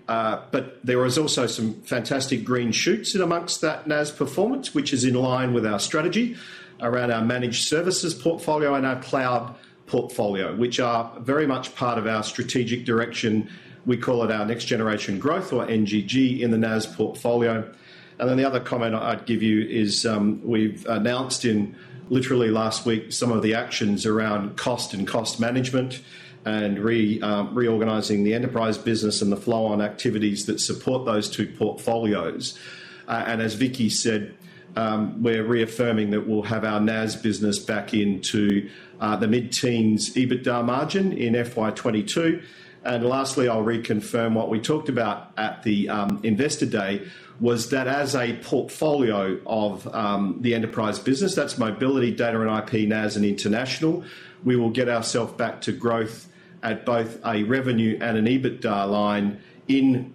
is also some fantastic green shoots in amongst that NAS performance, which is in line with our strategy around our managed services portfolio and our cloud portfolio, which are very much part of our strategic direction. We call it our Next Generation Growth or NGG in the NAS portfolio. The other comment I'd give you is, we've announced in literally last week some of the actions around cost and cost management and reorganizing the Enterprise business and the flow on activities that support those two portfolios. As Vicki said, we're reaffirming that we'll have our NAS business back into the mid-teens EBITDA margin in FY 2022. Lastly, I'll reconfirm what we talked about at the Investor Day, was that as a portfolio of the Enterprise business, that's mobility, data and IP, NAS and international. We will get ourself back to growth at both a revenue and an EBITDA line in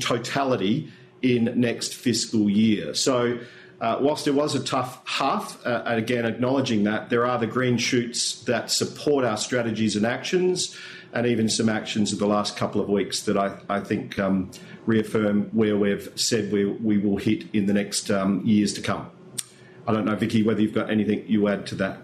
totality in next fiscal year. Whilst it was a tough half, and again, acknowledging that, there are the green shoots that support our strategies and actions and even some actions of the last couple of weeks that I think reaffirm where we've said we will hit in the next years to come. I don't know, Vicki, whether you've got anything you add to that.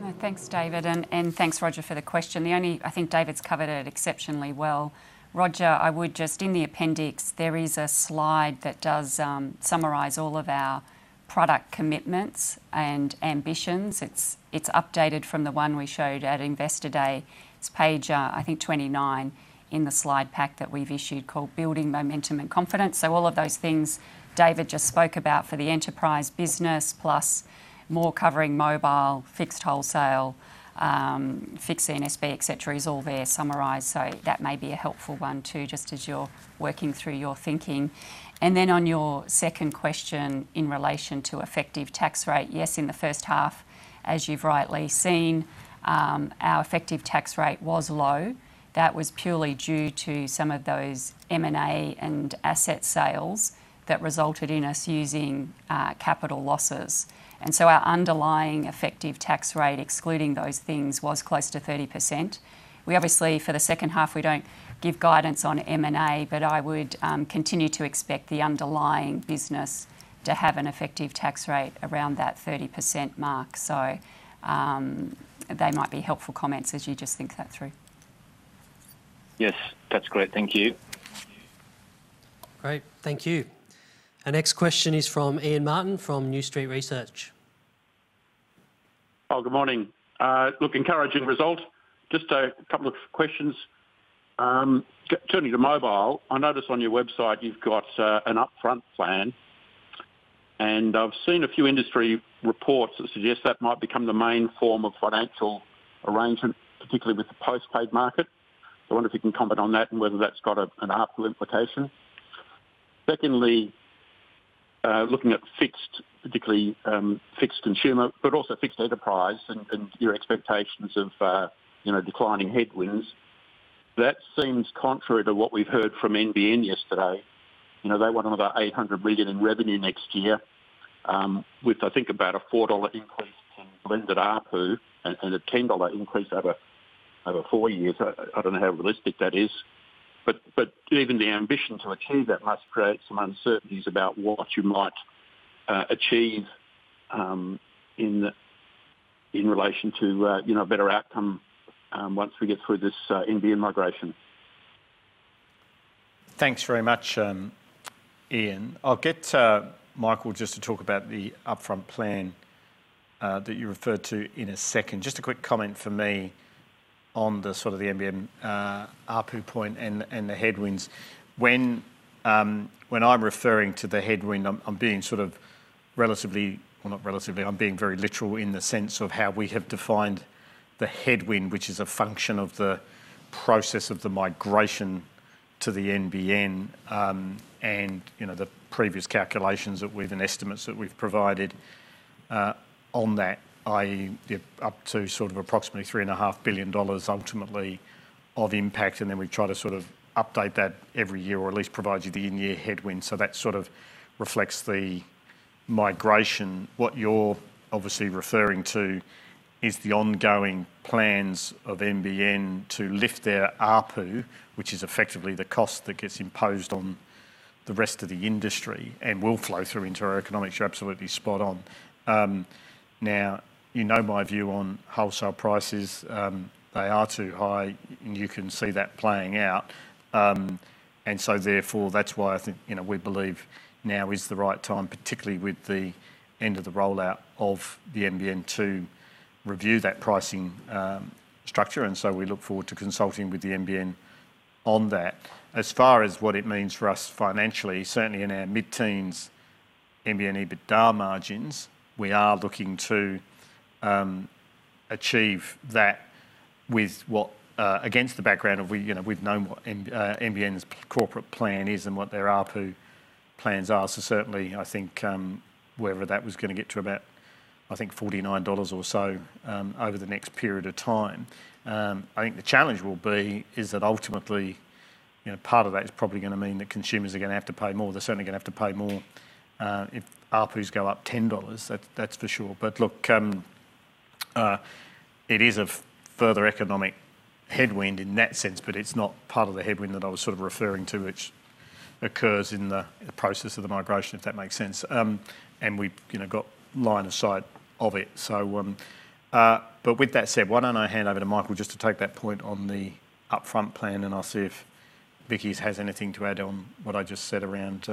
No thanks David and thanks Roger, for the question. I think David's covered it exceptionally well. Roger, I would just, in the appendix, there is a slide that does summarize all of our product commitments and ambitions. It's updated from the one we showed at Investor Day. It's page, I think, 29 in the slide pack that we've issued called Building Momentum and Confidence. All of those things David just spoke about for the enterprise business plus more covering mobile, fixed wholesale, fixed C&SB, et cetera, is all there summarized. That may be a helpful one, too, just as you're working through your thinking. On your second question in relation to effective tax rate. Yes, in the first half, as you've rightly seen, our effective tax rate was low. That was purely due to some of those M&A and asset sales that resulted in us using capital losses. Our underlying effective tax rate, excluding those things, was close to 30%. We obviously, for the second half, we don't give guidance on M&A, but I would continue to expect the underlying business to have an effective tax rate around that 30% mark. They might be helpful comments as you just think that through. Yes, that's great. Thank you. Great Thank you. Our next question is from Ian Martin from New Street Research. Good morning. Look, encouraging result. Just a couple of questions. Turning to mobile, I notice on your website you've got an upfront plan, and I've seen a few industry reports that suggest that might become the main form of financial arrangement, particularly with the post-paid market. I wonder if you can comment on that and whether that's got an ARPU implication. Secondly, looking at fixed, particularly fixed consumer, but also fixed enterprise and your expectations of declining headwinds. That seems contrary to what we've heard from NBN yesterday. They want another 800 million in revenue next year, with, I think, about a 4 dollar increase in blended ARPU and a 10 dollar increase over four years. I don't know how realistic that is. Even the ambition to achieve that must create some uncertainties about what you might achieve in relation to a better outcome once we get through this NBN migration. Thanks very much Ian. I'll get Michael just to talk about the upfront plan that you referred to in a second. Just a quick comment from me on the sort of the NBN ARPU point and the headwinds. When I'm referring to the headwind, I'm being sort of relatively Well, not relatively, I'm being very literal in the sense of how we have defined the headwind, which is a function of the process of the migration to the NBN, and the previous calculations and estimates that we've provided on that, i.e., up to sort of approximately 3.5 billion dollars ultimately of impact. We try to sort of update that every year or at least provide you the in-year headwind. That sort of reflects the migration. What you're obviously referring to is the ongoing plans of NBN to lift their ARPU, which is effectively the cost that gets imposed on the rest of the industry and will flow through into our economics. You're absolutely spot on. You know my view on wholesale prices. They are too high, you can see that playing out. That's why I think we believe now is the right time, particularly with the end of the rollout of the NBN, to review that pricing structure. We look forward to consulting with the NBN on that. As far as what it means for us financially, certainly in our mid-teens NBN EBITDA margins, we are looking to achieve that against the background of we've known what NBN's corporate plan is and what their ARPU plans are. Certainly, I think wherever that was going to get to about, I think 49 dollars or so over the next period of time. I think the challenge will be is that ultimately part of that is probably going to mean that consumers are going to have to pay more. They're certainly going to have to pay more if ARPUs go up 10 dollars, that's for sure. It is of further economic headwind in that sense, but it's not part of the headwind that I was sort of referring to, which occurs in the process of the migration, if that makes sense. We've got line of sight of it. With that said, why don't I hand over to Michael just to take that point on the upfront plan, and I'll see if Vicki has anything to add on what I just said around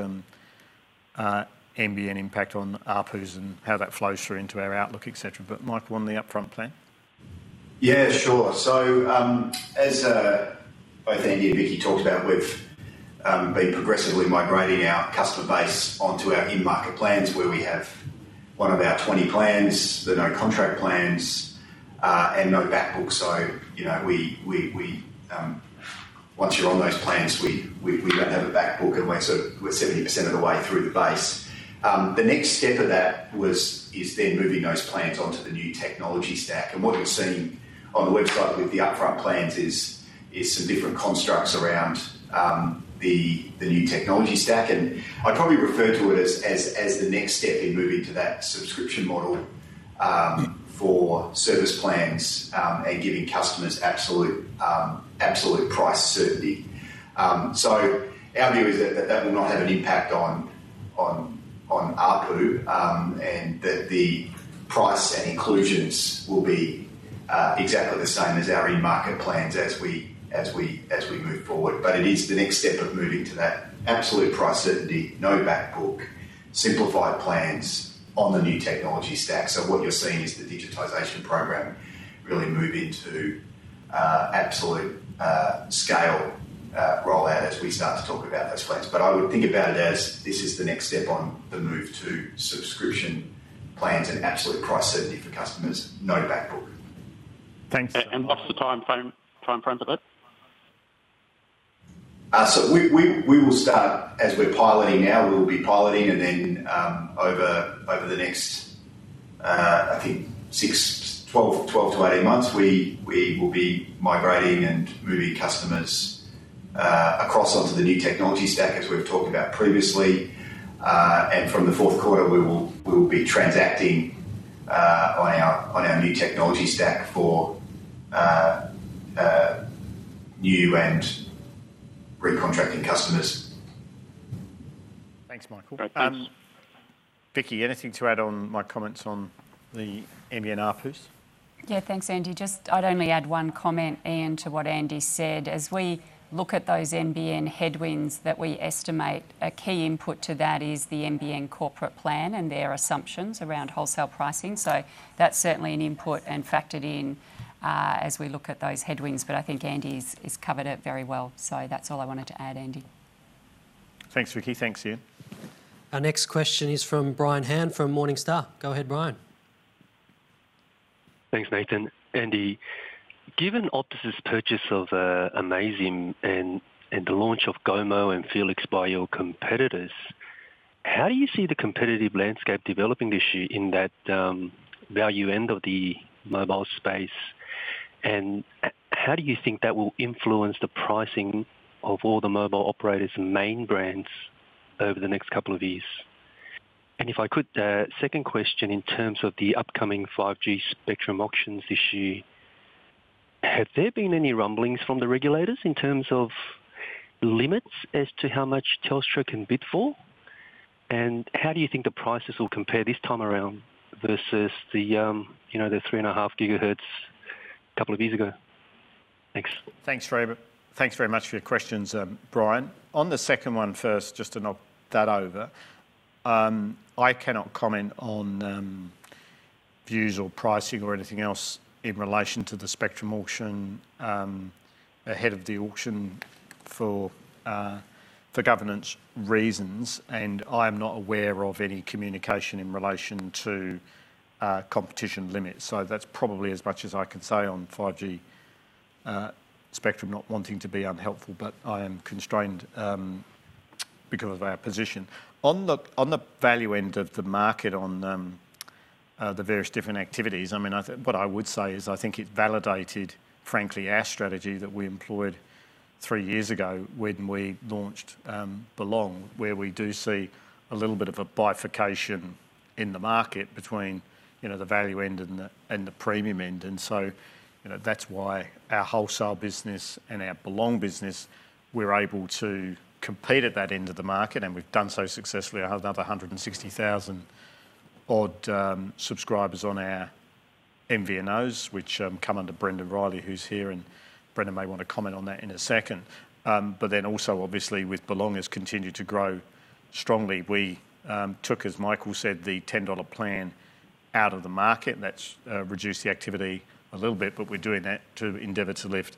NBN impact on ARPUs and how that flows through into our outlook, et cetera. Michael, on the upfront plan. Yeah, sure. As both Andy and Vicki talked about, we've been progressively migrating our customer base onto our in-market plans where we have one of our 20 plans, the no contract plans, and no back book. Once you're on those plans, we don't have a back book, and we're 70% of the way through the base. The next step of that is then moving those plans onto the new technology stack. What you're seeing on the website with the upfront plans is some different constructs around the new technology stack. I'd probably refer to it as the next step in moving to that subscription model, for service plans, and giving customers absolute price certainty. Our view is that that will not have an impact on ARPU, and that the price and inclusions will be exactly the same as our in-market plans as we move forward. It is the next step of moving to that absolute price certainty, no back book, simplified plans on the new technology stack. What you're seeing is the digitization program really move into absolute scale rollout as we start to talk about those plans. I would think about it as this is the next step on the move to subscription plans and absolute price certainty for customers. No back book. Thanks Michael. What's the time frame for that? We will start as we're piloting now. We'll be piloting and then over the next, I think six, 12 to 18 months, we will be migrating and moving customers across onto the new technology stack as we've talked about previously. From the fourth quarter, we will be transacting on our new technology stack for new and recontracting customers. Thanks Michael. Great. Thank you. Vicki, anything to add on my comments on the NBN ARPUs? Yeah thanks Andy. Just I'd only add one comment, Ian, to what Andy said. As we look at those NBN headwinds that we estimate, a key input to that is the NBN corporate plan and their assumptions around wholesale pricing. That's certainly an input and factored in as we look at those headwinds. I think Andy's covered it very well. That's all I wanted to add, Andy. Thanks Vicki. Thanks, Ian. Our next question is from Brian Han from Morningstar. Go ahead, Brian. Thanks, Nathan. Andy, given Optus' purchase of Amaysim and the launch of Gomo and Felix by your competitors, how do you see the competitive landscape developing this year in that value end of the mobile space? How do you think that will influence the pricing of all the mobile operators' main brands over the next couple of years? If I could, second question, in terms of the upcoming 5G spectrum auctions this year, have there been any rumblings from the regulators in terms of limits as to how much Telstra can bid for? How do you think the prices will compare this time around versus the 3.5 gigahertz a couple of years ago? Thanks. Thanks very much for your questions Brian. On the second one first, just to knock that over, I cannot comment on views or pricing or anything else in relation to the spectrum auction, ahead of the auction for governance reasons. I am not aware of any communication in relation to competition limits. That's probably as much as I can say on 5G spectrum. Not wanting to be unhelpful, but I am constrained because of our position. On the value end of the market on the various different activities, what I would say is I think it validated, frankly, our strategy that we employed three years ago when we launched Belong, where we do see a little bit of a bifurcation in the market between the value end and the premium end. That's why our wholesale business and our Belong business, we're able to compete at that end of the market, and we've done so successfully. Another 160,000 odd subscribers on our MVNOs, which come under Brendon Riley, who's here, and Brendon may want to comment on that in a second. Also obviously with Belong has continued to grow strongly. We took, as Michael said, the AUD 10 plan out of the market, and that's reduced the activity a little bit, but we're doing that to endeavor to lift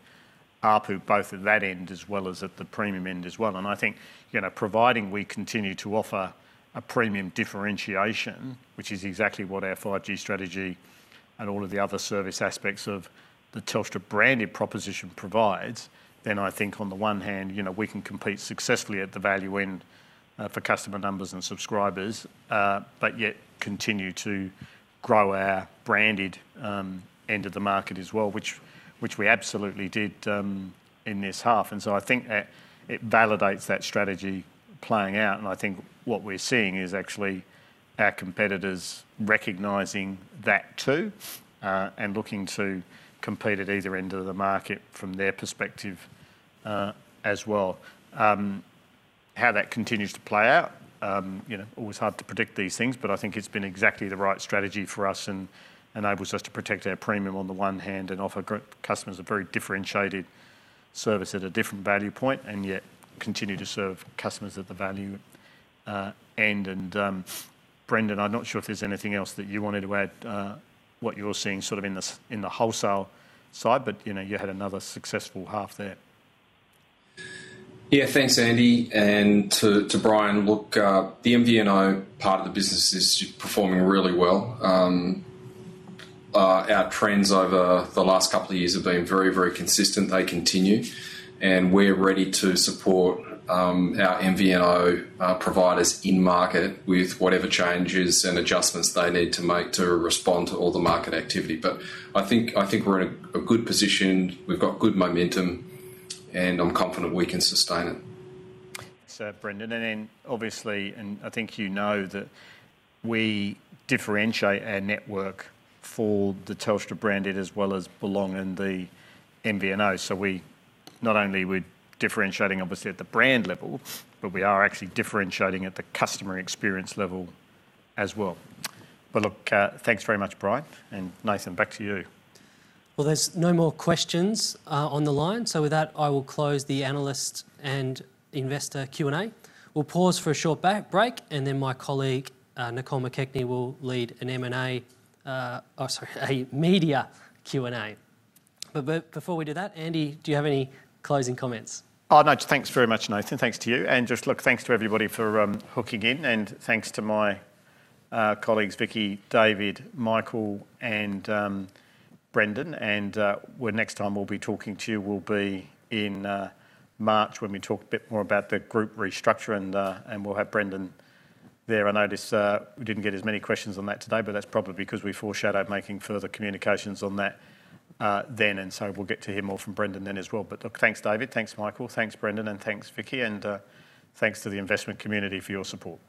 ARPU both at that end as well as at the premium end as well. I think providing we continue to offer a premium differentiation, which is exactly what our 5G strategy and all of the other service aspects of the Telstra branded proposition provides, then I think on the one hand, we can compete successfully at the value end for customer numbers and subscribers, but yet continue to grow our branded end of the market as well, which we absolutely did in this half. I think that it validates that strategy playing out. I think what we're seeing is actually our competitors recognizing that, too, and looking to compete at either end of the market from their perspective as well. How that continues to play out, always hard to predict these things, but I think it's been exactly the right strategy for us, and enables us to protect our premium on the one hand, and offer customers a very differentiated service at a different value point, and yet continue to serve customers at the value end. Brendon, I'm not sure if there's anything else that you wanted to add, what you're seeing sort of in the wholesale side but you had another successful half there. Thanks Andy. To Brian, look, the MVNO part of the business is performing really well. Our trends over the last couple of years have been very, very consistent. They continue. We're ready to support our MVNO providers in market with whatever changes and adjustments they need to make to respond to all the market activity. I think we're in a good position. We've got good momentum, and I'm confident we can sustain it. Thanks, Brendon. Obviously, I think you know, that we differentiate our network for the Telstra branded as well as Belong and the MVNO. Not only we're differentiating obviously at the brand level, but we are actually differentiating at the customer experience level as well. Look, thanks very much, Brian. Nathan, back to you. There's no more questions on the line. With that, I will close the analyst and investor Q&A. We'll pause for a short break, and then my colleague, Nicole McKechnie, will lead a media Q&A. Before we do that, Andy, do you have any closing comments? Thanks very much Nathan. Thanks to you. Thanks to everybody for hooking in. Thanks to my colleagues, Vicki, David, Michael, and Brendon. Next time we'll be talking to you will be in March when we talk a bit more about the group restructure and we'll have Brendon there. I notice we didn't get as many questions on that today, that's probably because we foreshadowed making further communications on that then. We'll get to hear more from Brendon then as well. Thanks David thanks Michael. Thanks, Brendon. Thanks, Vicki. Thanks to the investment community for your support.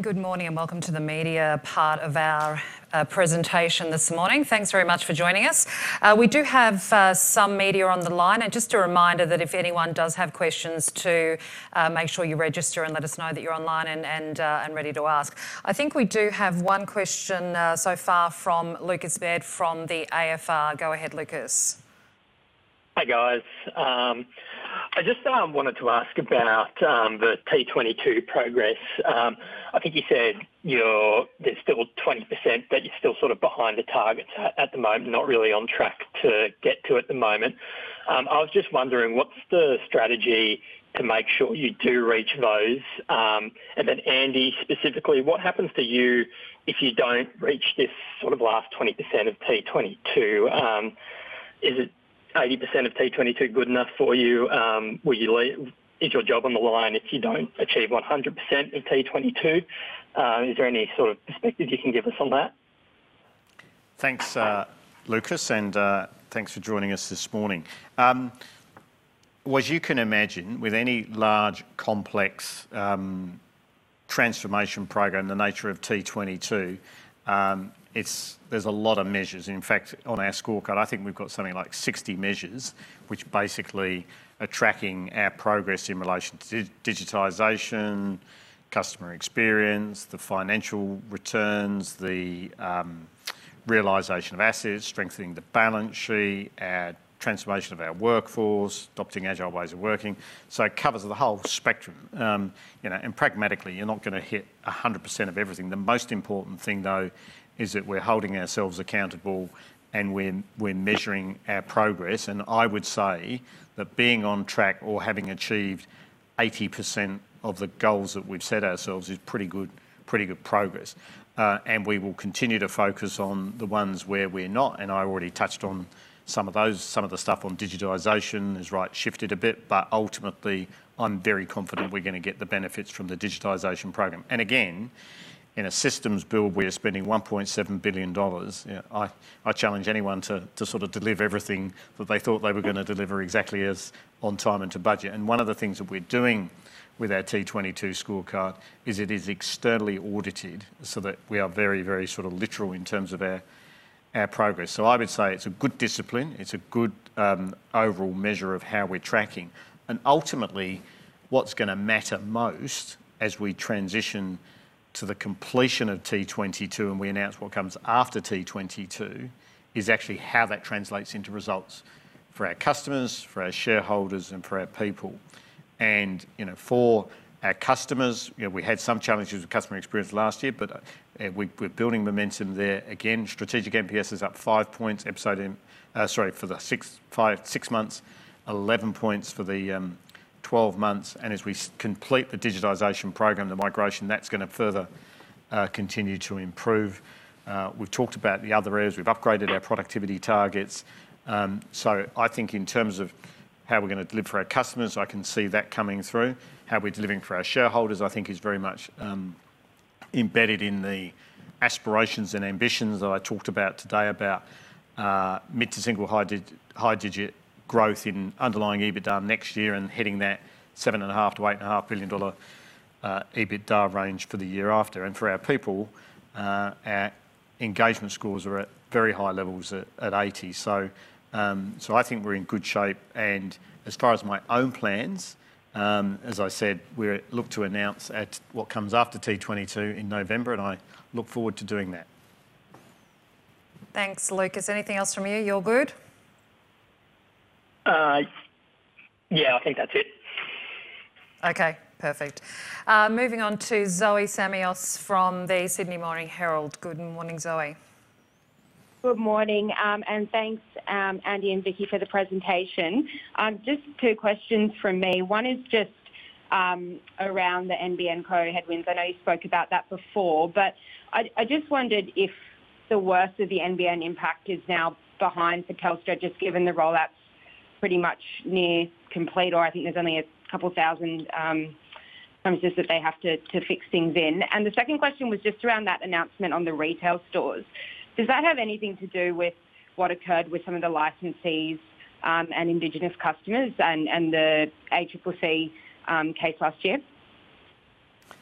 Good morning and welcome to the media part of our presentation this morning. Thanks very much for joining us. We do have some media on the line. Just a reminder that if anyone does have questions to make sure you register and let us know that you're online and ready to ask. I think we do have one question so far from Lucas Baird from the AFR. Go ahead, Lucas. Hi, guys. I just wanted to ask about the T22 progress. I think you said there's still 20% that you're still sort of behind the targets at the moment, not really on track to get to at the moment. I was just wondering what's the strategy to make sure you do reach those? Andy, specifically, what happens to you if you don't reach this sort of last 20% of T22? Is 80% of T22 good enough for you? Is your job on the line if you don't achieve 100% of T22? Is there any sort of perspective you can give us on that? Thanks Lucas thanks for joining us this morning. As you can imagine, with any large, complex transformation program the nature of T22, there's a lot of measures. In fact, on our scorecard, I think we've got something like 60 measures, which basically are tracking our progress in relation to digitization, customer experience, the financial returns, the realization of assets, strengthening the balance sheet, transformation of our workforce, adopting agile ways of working. It covers the whole spectrum. Pragmatically, you're not going to hit 100% of everything. The most important thing, though, is that we're holding ourselves accountable and we're measuring our progress. I would say that being on track or having achieved 80% of the goals that we've set ourselves is pretty good progress. We will continue to focus on the ones where we're not, and I already touched on some of those. Some of the stuff on digitization is right, shifted a bit. Ultimately, I'm very confident we're going to get the benefits from the digitization program. Again, in a systems build, we are spending 1.7 billion dollars. I challenge anyone to sort of deliver everything that they thought they were going to deliver exactly as on time and to budget. One of the things that we're doing with our T22 scorecard is it is externally audited so that we are very, very sort of literal in terms of our progress. I would say it's a good discipline. It's a good overall measure of how we're tracking. Ultimately, what's going to matter most as we transition to the completion of T22 and we announce what comes after T22, is actually how that translates into results for our customers, for our shareholders, and for our people. For our customers, we had some challenges with customer experience last year, but we're building momentum there. Again, strategic NPS is up five points for the six months, 11 points for the 12 months. As we complete the digitization program, the migration, that's going to further continue to improve. We've talked about the other areas. We've upgraded our productivity targets. I think in terms of how we're going to deliver for our customers, I can see that coming through. How we're delivering for our shareholders, I think is very much embedded in the aspirations and ambitions that I talked about today, about mid-to-single high digit growth in underlying EBITDA next year and hitting that 7.5 billion-8.5 billion dollar EBITDA range for the year after. For our people, our engagement scores are at very high levels at 80. I think we're in good shape. As far as my own plans, as I said, we look to announce at what comes after T22 in November, and I look forward to doing that. Thanks, Lucas. Anything else from you? You all good? I think that's it. Okay, perfect. Moving on to Zoe Samios from The Sydney Morning Herald. Good morning, Zoe. Good morning. Thanks, Andy and Vicki, for the presentation. Just two questions from me. One is just around the NBN Co headwinds. I know you spoke about that before, but I just wondered if the worst of the NBN impact is now behind for Telstra, just given the rollout's pretty much near complete, or I think there's only a couple of thousand premises that they have to fix things in. The second question was just around that announcement on the retail stores. Does that have anything to do with what occurred with some of the licensees and indigenous customers and the ACCC case last year?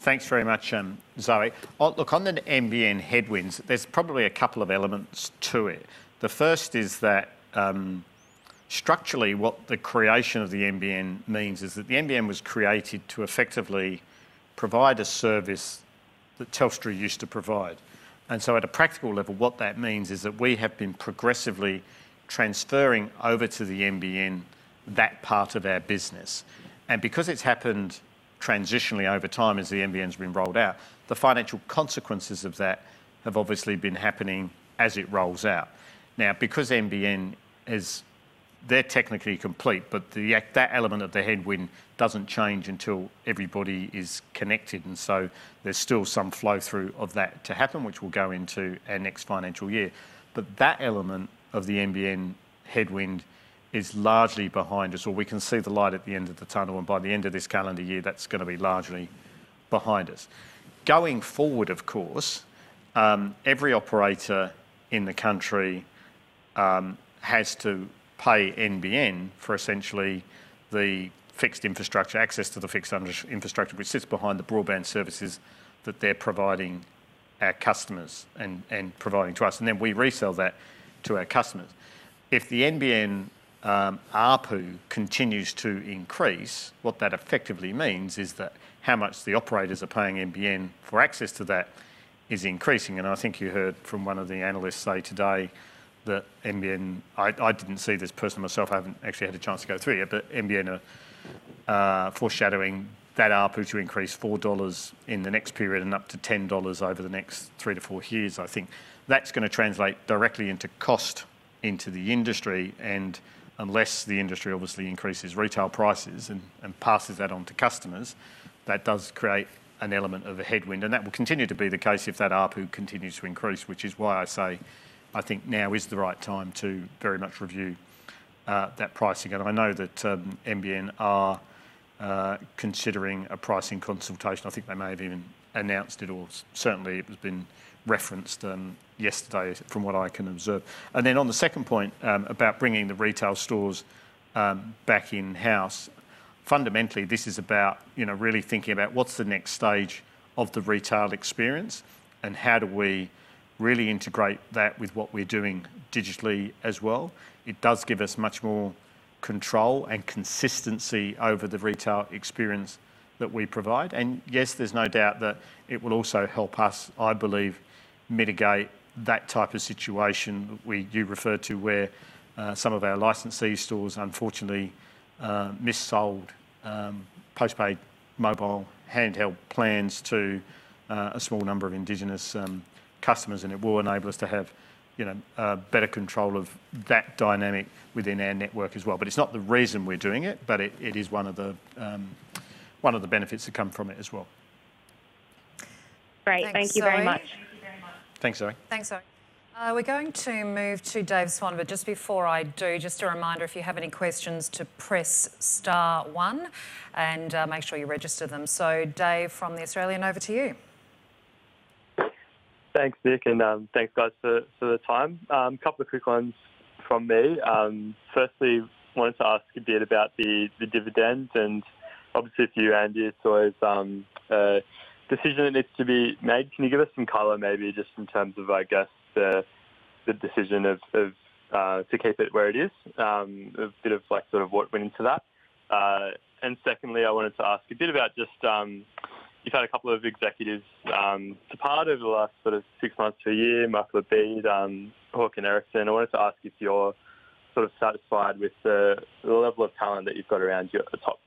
Thanks very much, Zoe. Look, on the NBN headwinds, there's probably a couple of elements to it. The first is that structurally what the creation of the NBN means is that the NBN was created to effectively provide a service that Telstra used to provide. At a practical level, what that means is that we have been progressively transferring over to the NBN that part of our business. Because it's happened transitionally over time as the NBN's been rolled out, the financial consequences of that have obviously been happening as it rolls out. Now, because NBN they're technically complete, that element of the headwind doesn't change until everybody is connected. There's still some flow-through of that to happen, which will go into our next financial year. That element of the NBN headwind is largely behind us, or we can see the light at the end of the tunnel. By the end of this calendar year, that's going to be largely behind us. Going forward, of course, every operator in the country has to pay NBN for essentially the access to the fixed infrastructure, which sits behind the broadband services that they're providing our customers and providing to us. Then we resell that to our customers. The NBN ARPU continues to increase, what that effectively means is that how much the operators are paying NBN for access to that is increasing. I think you heard from one of the analysts say today that NBN I didn't see this person myself. I haven't actually had a chance to go through yet. NBN are foreshadowing that ARPU to increase 4 dollars in the next period and up to 10 dollars over the next three to four years. I think that's going to translate directly into cost into the industry. Unless the industry obviously increases retail prices and passes that on to customers, that does create an element of a headwind. That will continue to be the case if that ARPU continues to increase, which is why I say I think now is the right time to very much review that pricing. I know that NBN are considering a pricing consultation. I think they may have even announced it, or certainly it has been referenced yesterday from what I can observe. On the second point about bringing the retail stores back in-house. Fundamentally, this is about really thinking about what's the next stage of the retail experience and how do we really integrate that with what we're doing digitally as well. It does give us much more control and consistency over the retail experience that we provide. Yes, there's no doubt that it will also help us, I believe, mitigate that type of situation you referred to, where some of our licensee stores, unfortunately, mis-sold post-paid mobile handheld plans to a small number of indigenous customers. It will enable us to have better control of that dynamic within our network as well. It's not the reason we're doing it, but it is one of the benefits that come from it as well. Great. Thank you very much. Thanks, Zoe. Thanks, Zoe. Thanks, Zoe. We're going to move to David Swan, but just before I do, just a reminder, if you have any questions to press star one and make sure you register them. Dave from The Australian, over to you. Thanks, Vicki, thanks, guys, for the time. A couple of quick ones from me. Firstly, wanted to ask a bit about the dividend and obviously for you, Andy, it's always a decision that needs to be made. Can you give us some color maybe just in terms of, I guess, the decision to keep it where it is? A bit of sort of what went into that. Secondly, I wanted to ask a bit about just you've had a couple of executives depart over the last sort of six months to a year, Mark Labeed, Håkan Eriksson. I wanted to ask if you're sort of satisfied with the level of talent that you've got around you at the top.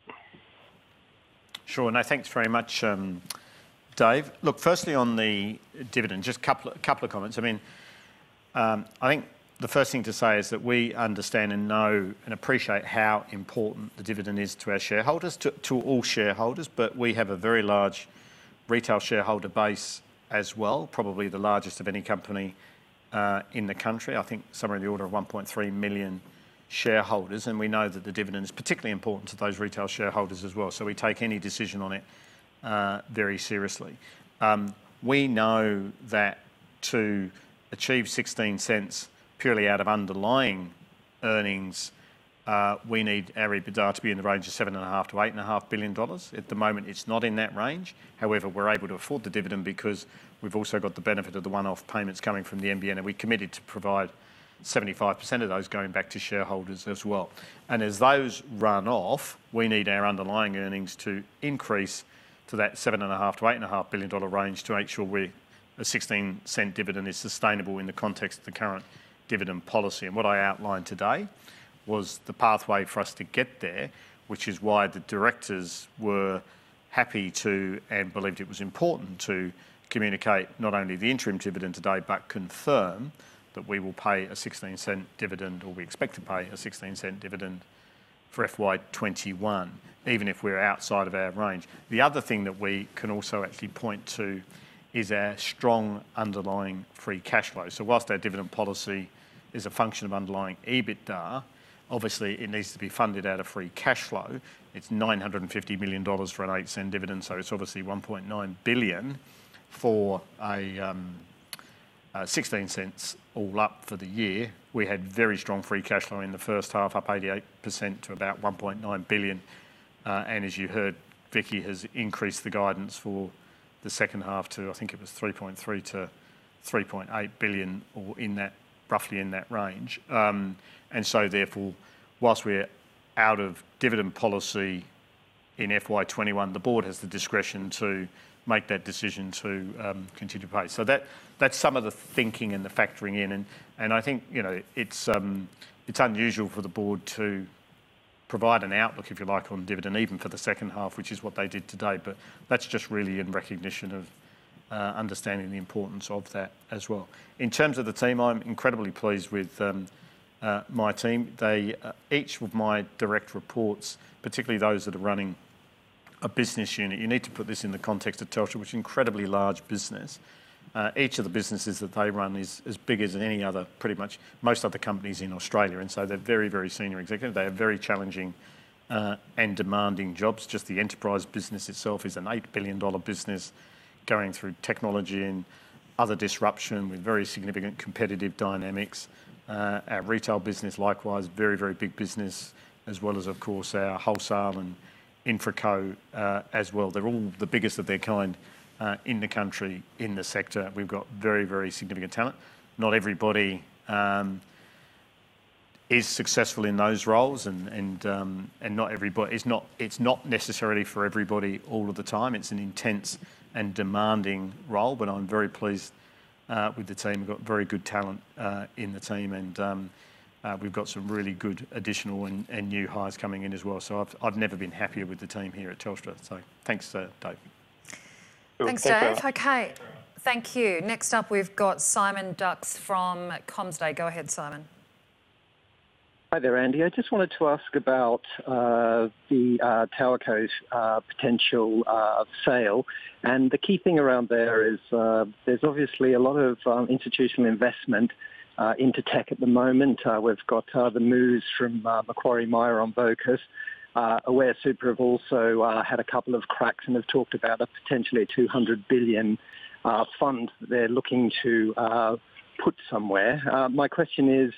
Sure. Thanks very much, Dave. Look, firstly on the dividend, just a couple of comments. I think the first thing to say is that we understand and know and appreciate how important the dividend is to our shareholders, to all shareholders. We have a very large retail shareholder base as well, probably the largest of any company in the country. I think somewhere in the order of 1.3 million shareholders, and we know that the dividend is particularly important to those retail shareholders as well, so we take any decision on it very seriously. We know that to achieve 0.16 purely out of underlying earnings, we need our EBITDA to be in the range of 7.5 billion-8.5 billion dollars. At the moment, it's not in that range. We're able to afford the dividend because we've also got the benefit of the one-off payments coming from the NBN, and we committed to provide 75% of those going back to shareholders as well. As those run off, we need our underlying earnings to increase to that 7.5 billion-8.5 billion dollar range to make sure a 0.16 dividend is sustainable in the context of the current dividend policy. What I outlined today was the pathway for us to get there, which is why the directors were happy to, and believed it was important to, communicate not only the interim dividend today but confirm that we will pay a 0.16 dividend or we expect to pay a 0.16 dividend for FY 2021, even if we're outside of our range. The other thing that we can also actually point to is our strong underlying free cash flow. Whilst our dividend policy is a function of underlying EBITDA, obviously it needs to be funded out of free cash flow. It's 950 million dollars for an 0.08 dividend, so it's obviously 1.9 billion for an 0.16 all up for the year. We had very strong free cash flow in the first half, up 88% to about 1.9 billion. As you heard, Vicki has increased the guidance for the second half to, I think it was 3.3 billion-3.8 billion, or roughly in that range. Therefore, whilst we're out of dividend policy in FY 2021, the board has the discretion to make that decision to continue to pay. That's some of the thinking and the factoring in. I think it's unusual for the board to provide an outlook, if you like, on dividend, even for the second half, which is what they did today. That's just really in recognition of understanding the importance of that as well. In terms of the team, I'm incredibly pleased with my team. Each of my direct reports, particularly those that are running a business unit. You need to put this in the context of Telstra, which is an incredibly large business. Each of the businesses that they run is as big as any other, pretty much most other companies in Australia. They're very, very senior executives. They have very challenging and demanding jobs. Just the enterprise business itself is an 8 billion dollar business going through technology and other disruption with very significant competitive dynamics. Our retail business, likewise, very, very big business, as well as, of course, our wholesale and InfraCo as well. They're all the biggest of their kind in the country, in the sector. We've got very, very significant talent. Not everybody is successful in those roles and it's not necessarily for everybody all of the time. It's an intense and demanding role, but I'm very pleased with the team. We've got very good talent in the team, and we've got some really good additional and new hires coming in as well. I've never been happier with the team here at Telstra. Thanks, Dave. Thanks Dave. Okay. Okay. Thank you. Next up, we've got Simon Dux from CommsDay. Go ahead, Simon. Hi there Andy. I just wanted to ask about the TowerCo's potential sale. The key thing around there is there's obviously a lot of institutional investment into tech at the moment. We've got the moves from Macquarie, Myer on Vocus. Aware Super have also had a couple of cracks and have talked about a potentially 200 billion fund they're looking to put somewhere. My question is,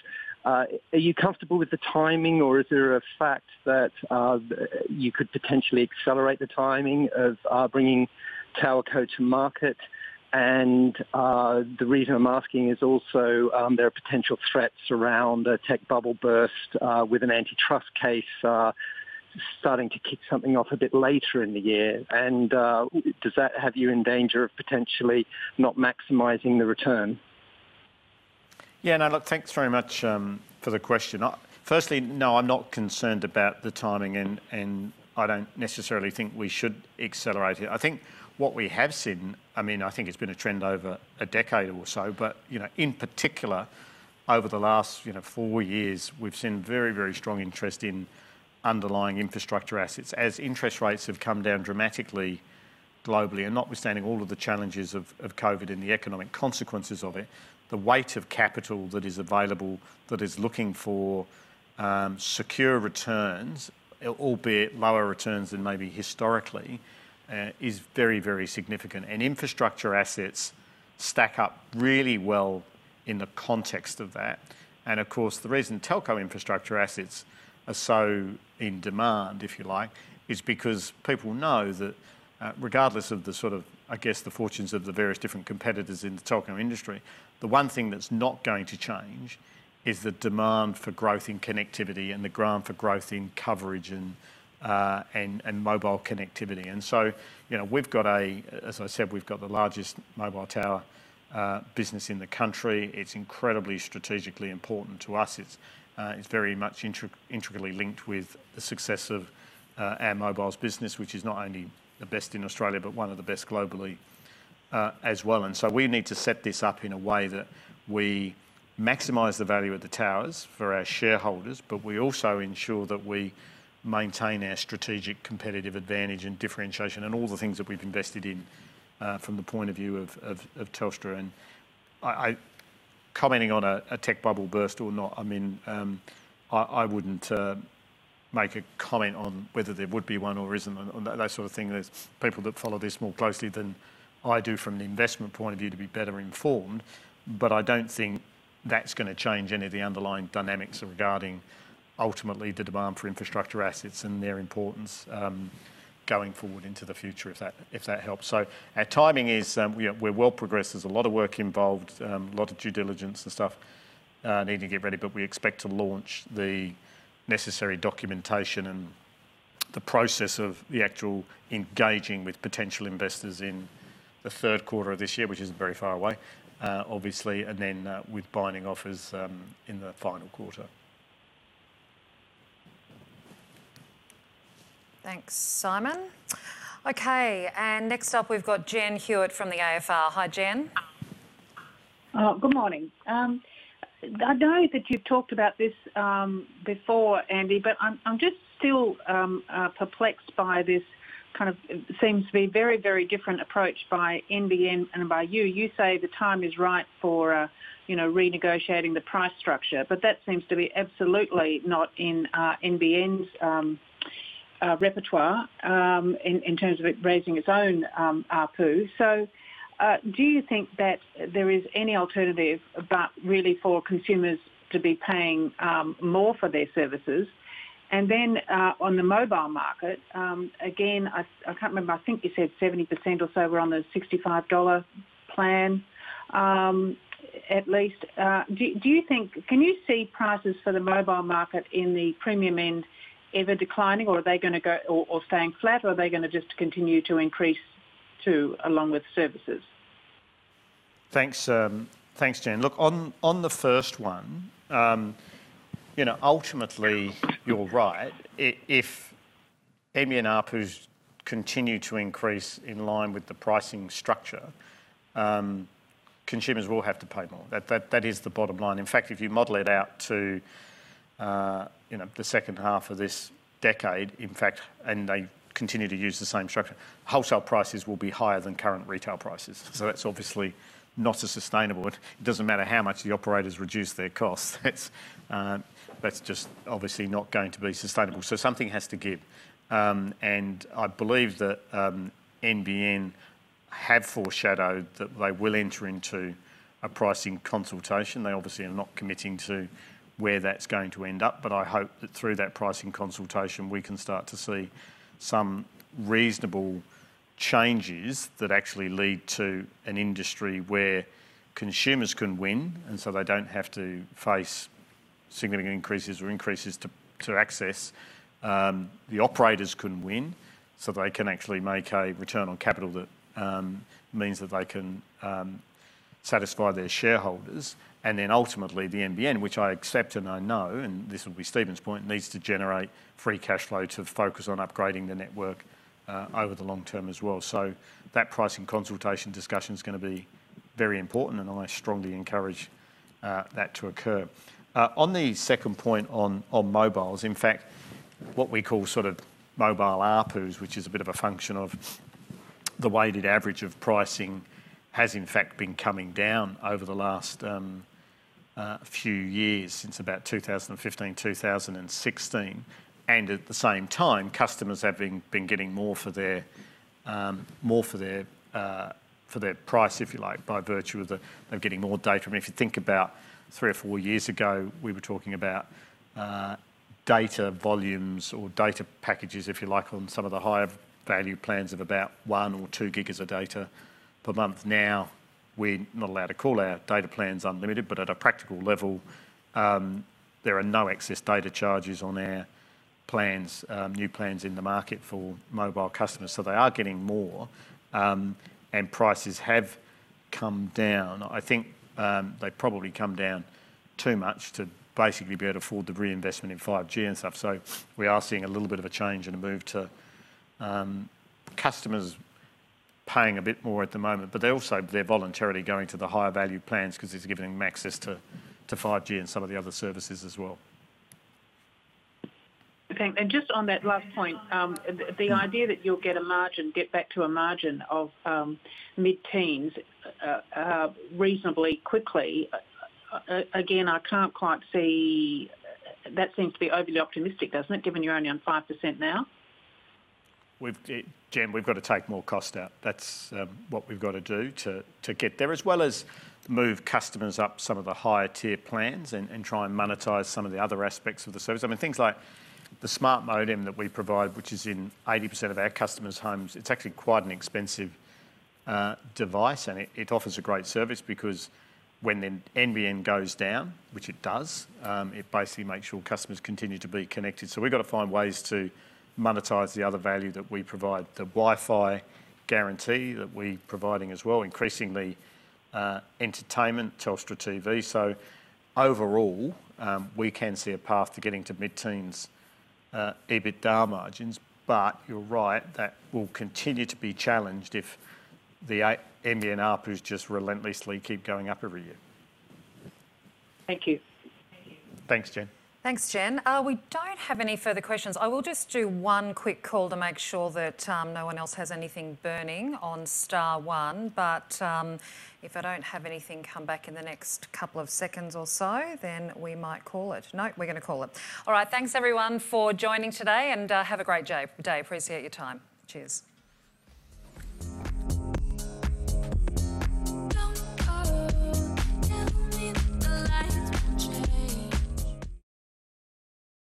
are you comfortable with the timing or is there a fact that you could potentially accelerate the timing of bringing TowerCo to market? The reason I'm asking is also there are potential threats around a tech bubble burst with an antitrust case starting to kick something off a bit later in the year. Does that have you in danger of potentially not maximizing the return? No, look, thanks very much for the question. Firstly, no, I'm not concerned about the timing and I don't necessarily think we should accelerate it. I think what we have seen, I think it's been a trend over a decade or so, but in particular over the last four years, we've seen very, very strong interest in underlying infrastructure assets. As interest rates have come down dramatically globally, and notwithstanding all of the challenges of COVID and the economic consequences of it, the weight of capital that is available that is looking for secure returns, albeit lower returns than maybe historically, is very, very significant. Infrastructure assets stack up really well in the context of that. Of course, the reason telco infrastructure assets are so in demand, if you like, is because people know that regardless of the fortunes of the various different competitors in the telco industry, the one thing that's not going to change is the demand for growth in connectivity and the ground for growth in coverage and mobile connectivity. As I said, we've got the largest mobile tower business in the country. It's incredibly strategically important to us. It's very much integrally linked with the success of our mobile's business, which is not only the best in Australia, but one of the best globally as well. We need to set this up in a way that we maximize the value of the towers for our shareholders, but we also ensure that we maintain our strategic competitive advantage and differentiation and all the things that we've invested in from the point of view of Telstra. Commenting on a tech bubble burst or not, I wouldn't make a comment on whether there would be one or isn't one or that sort of thing. There's people that follow this more closely than I do from the investment point of view to be better informed. I don't think that's going to change any of the underlying dynamics regarding ultimately the demand for infrastructure assets and their importance going forward into the future, if that helps. Our timing is we're well progressed. There's a lot of work involved, a lot of due diligence and stuff needing to get ready. We expect to launch the necessary documentation and the process of the actual engaging with potential investors in the third quarter of this year, which isn't very far away, obviously, and then with binding offers in the final quarter. Thanks, Simon. Okay. Next up we've got Jen Hewett from the AFR. Hi, Jen. Good morning. I know that you've talked about this before, Andy, I'm just still perplexed by this kind of seems to be very different approach by NBN and by you. You say the time is right for renegotiating the price structure, that seems to be absolutely not in NBN's repertoire in terms of it raising its own ARPU. Do you think that there is any alternative but really for consumers to be paying more for their services? On the mobile market, again, I can't remember, I think you said 70% or so were on the 65 dollar plan at least. Can you see prices for the mobile market in the premium end ever declining, or staying flat, or are they going to just continue to increase too along with services? Thanks Jen. Look, on the first one, ultimately you're right. If NBN ARPU continue to increase in line with the pricing structure, consumers will have to pay more. That is the bottom line. If you model it out to the second half of this decade, and they continue to use the same structure, wholesale prices will be higher than current retail prices. It doesn't matter how much the operators reduce their costs, that's just obviously not going to be sustainable. Something has to give. I believe that NBN have foreshadowed that they will enter into a pricing consultation. They obviously are not committing to where that's going to end up. I hope that through that pricing consultation, we can start to see some reasonable changes that actually lead to an industry where consumers can win. They don't have to face significant increases or increases to access. The operators can win. They can actually make a return on capital that means that they can satisfy their shareholders. Ultimately the NBN, which I accept and I know, and this will be Stephen's point, needs to generate free cash flow to focus on upgrading the network over the long term as well. That pricing consultation discussion's going to be very important. I strongly encourage that to occur. On the second point on mobiles, in fact, what we call sort of mobile ARPUs, which is a bit of a function of the weighted average of pricing, has in fact been coming down over the last few years, since about 2015, 2016. At the same time, customers have been getting more for their price, if you like, by virtue of getting more data. I mean, if you think about three or four years ago, we were talking about data volumes or data packages, if you like, on some of the higher value plans of about one or two GB of data per month. Now, we're not allowed to call our data plans unlimited, but at a practical level, there are no excess data charges on our new plans in the market for mobile customers. They are getting more, and prices have come down. I think they've probably come down too much to basically be able to afford the reinvestment in 5G and stuff. We are seeing a little bit of a change and a move to customers paying a bit more at the moment. Also, they're voluntarily going to the higher value plans because it's giving them access to 5G and some of the other services as well. Okay. Just on that last point, the idea that you'll get back to a margin of mid-teens reasonably quickly, again, I can't quite see. That seems to be overly optimistic, doesn't it, given you're only on 5% now? Jen, we've got to take more cost out. That's what we've got to do to get there, as well as move customers up some of the higher tier plans and try and monetize some of the other aspects of the service. I mean, things like the Telstra Smart Modem that we provide, which is in 80% of our customers' homes. It's actually quite an expensive device, and it offers a great service because when NBN goes down, which it does, it basically makes sure customers continue to be connected. We've got to find ways to monetize the other value that we provide, the Wi-Fi guarantee that we're providing as well, increasingly, entertainment, Telstra TV. Overall, we can see a path to getting to mid-teens EBITDA margins. You're right, that will continue to be challenged if the NBN ARPUs just relentlessly keep going up every year. Thank you. Thanks, Jen. Thanks, Jen. We don't have any further questions. I will just do one quick call to make sure that no one else has anything burning on star one. If I don't have anything come back in the next couple of seconds or so, then we might call it. No, we're going to call it. All right. Thanks everyone for joining today, and have a great day. Appreciate your time. Cheers. Don't go. Tell me that the lights won't change.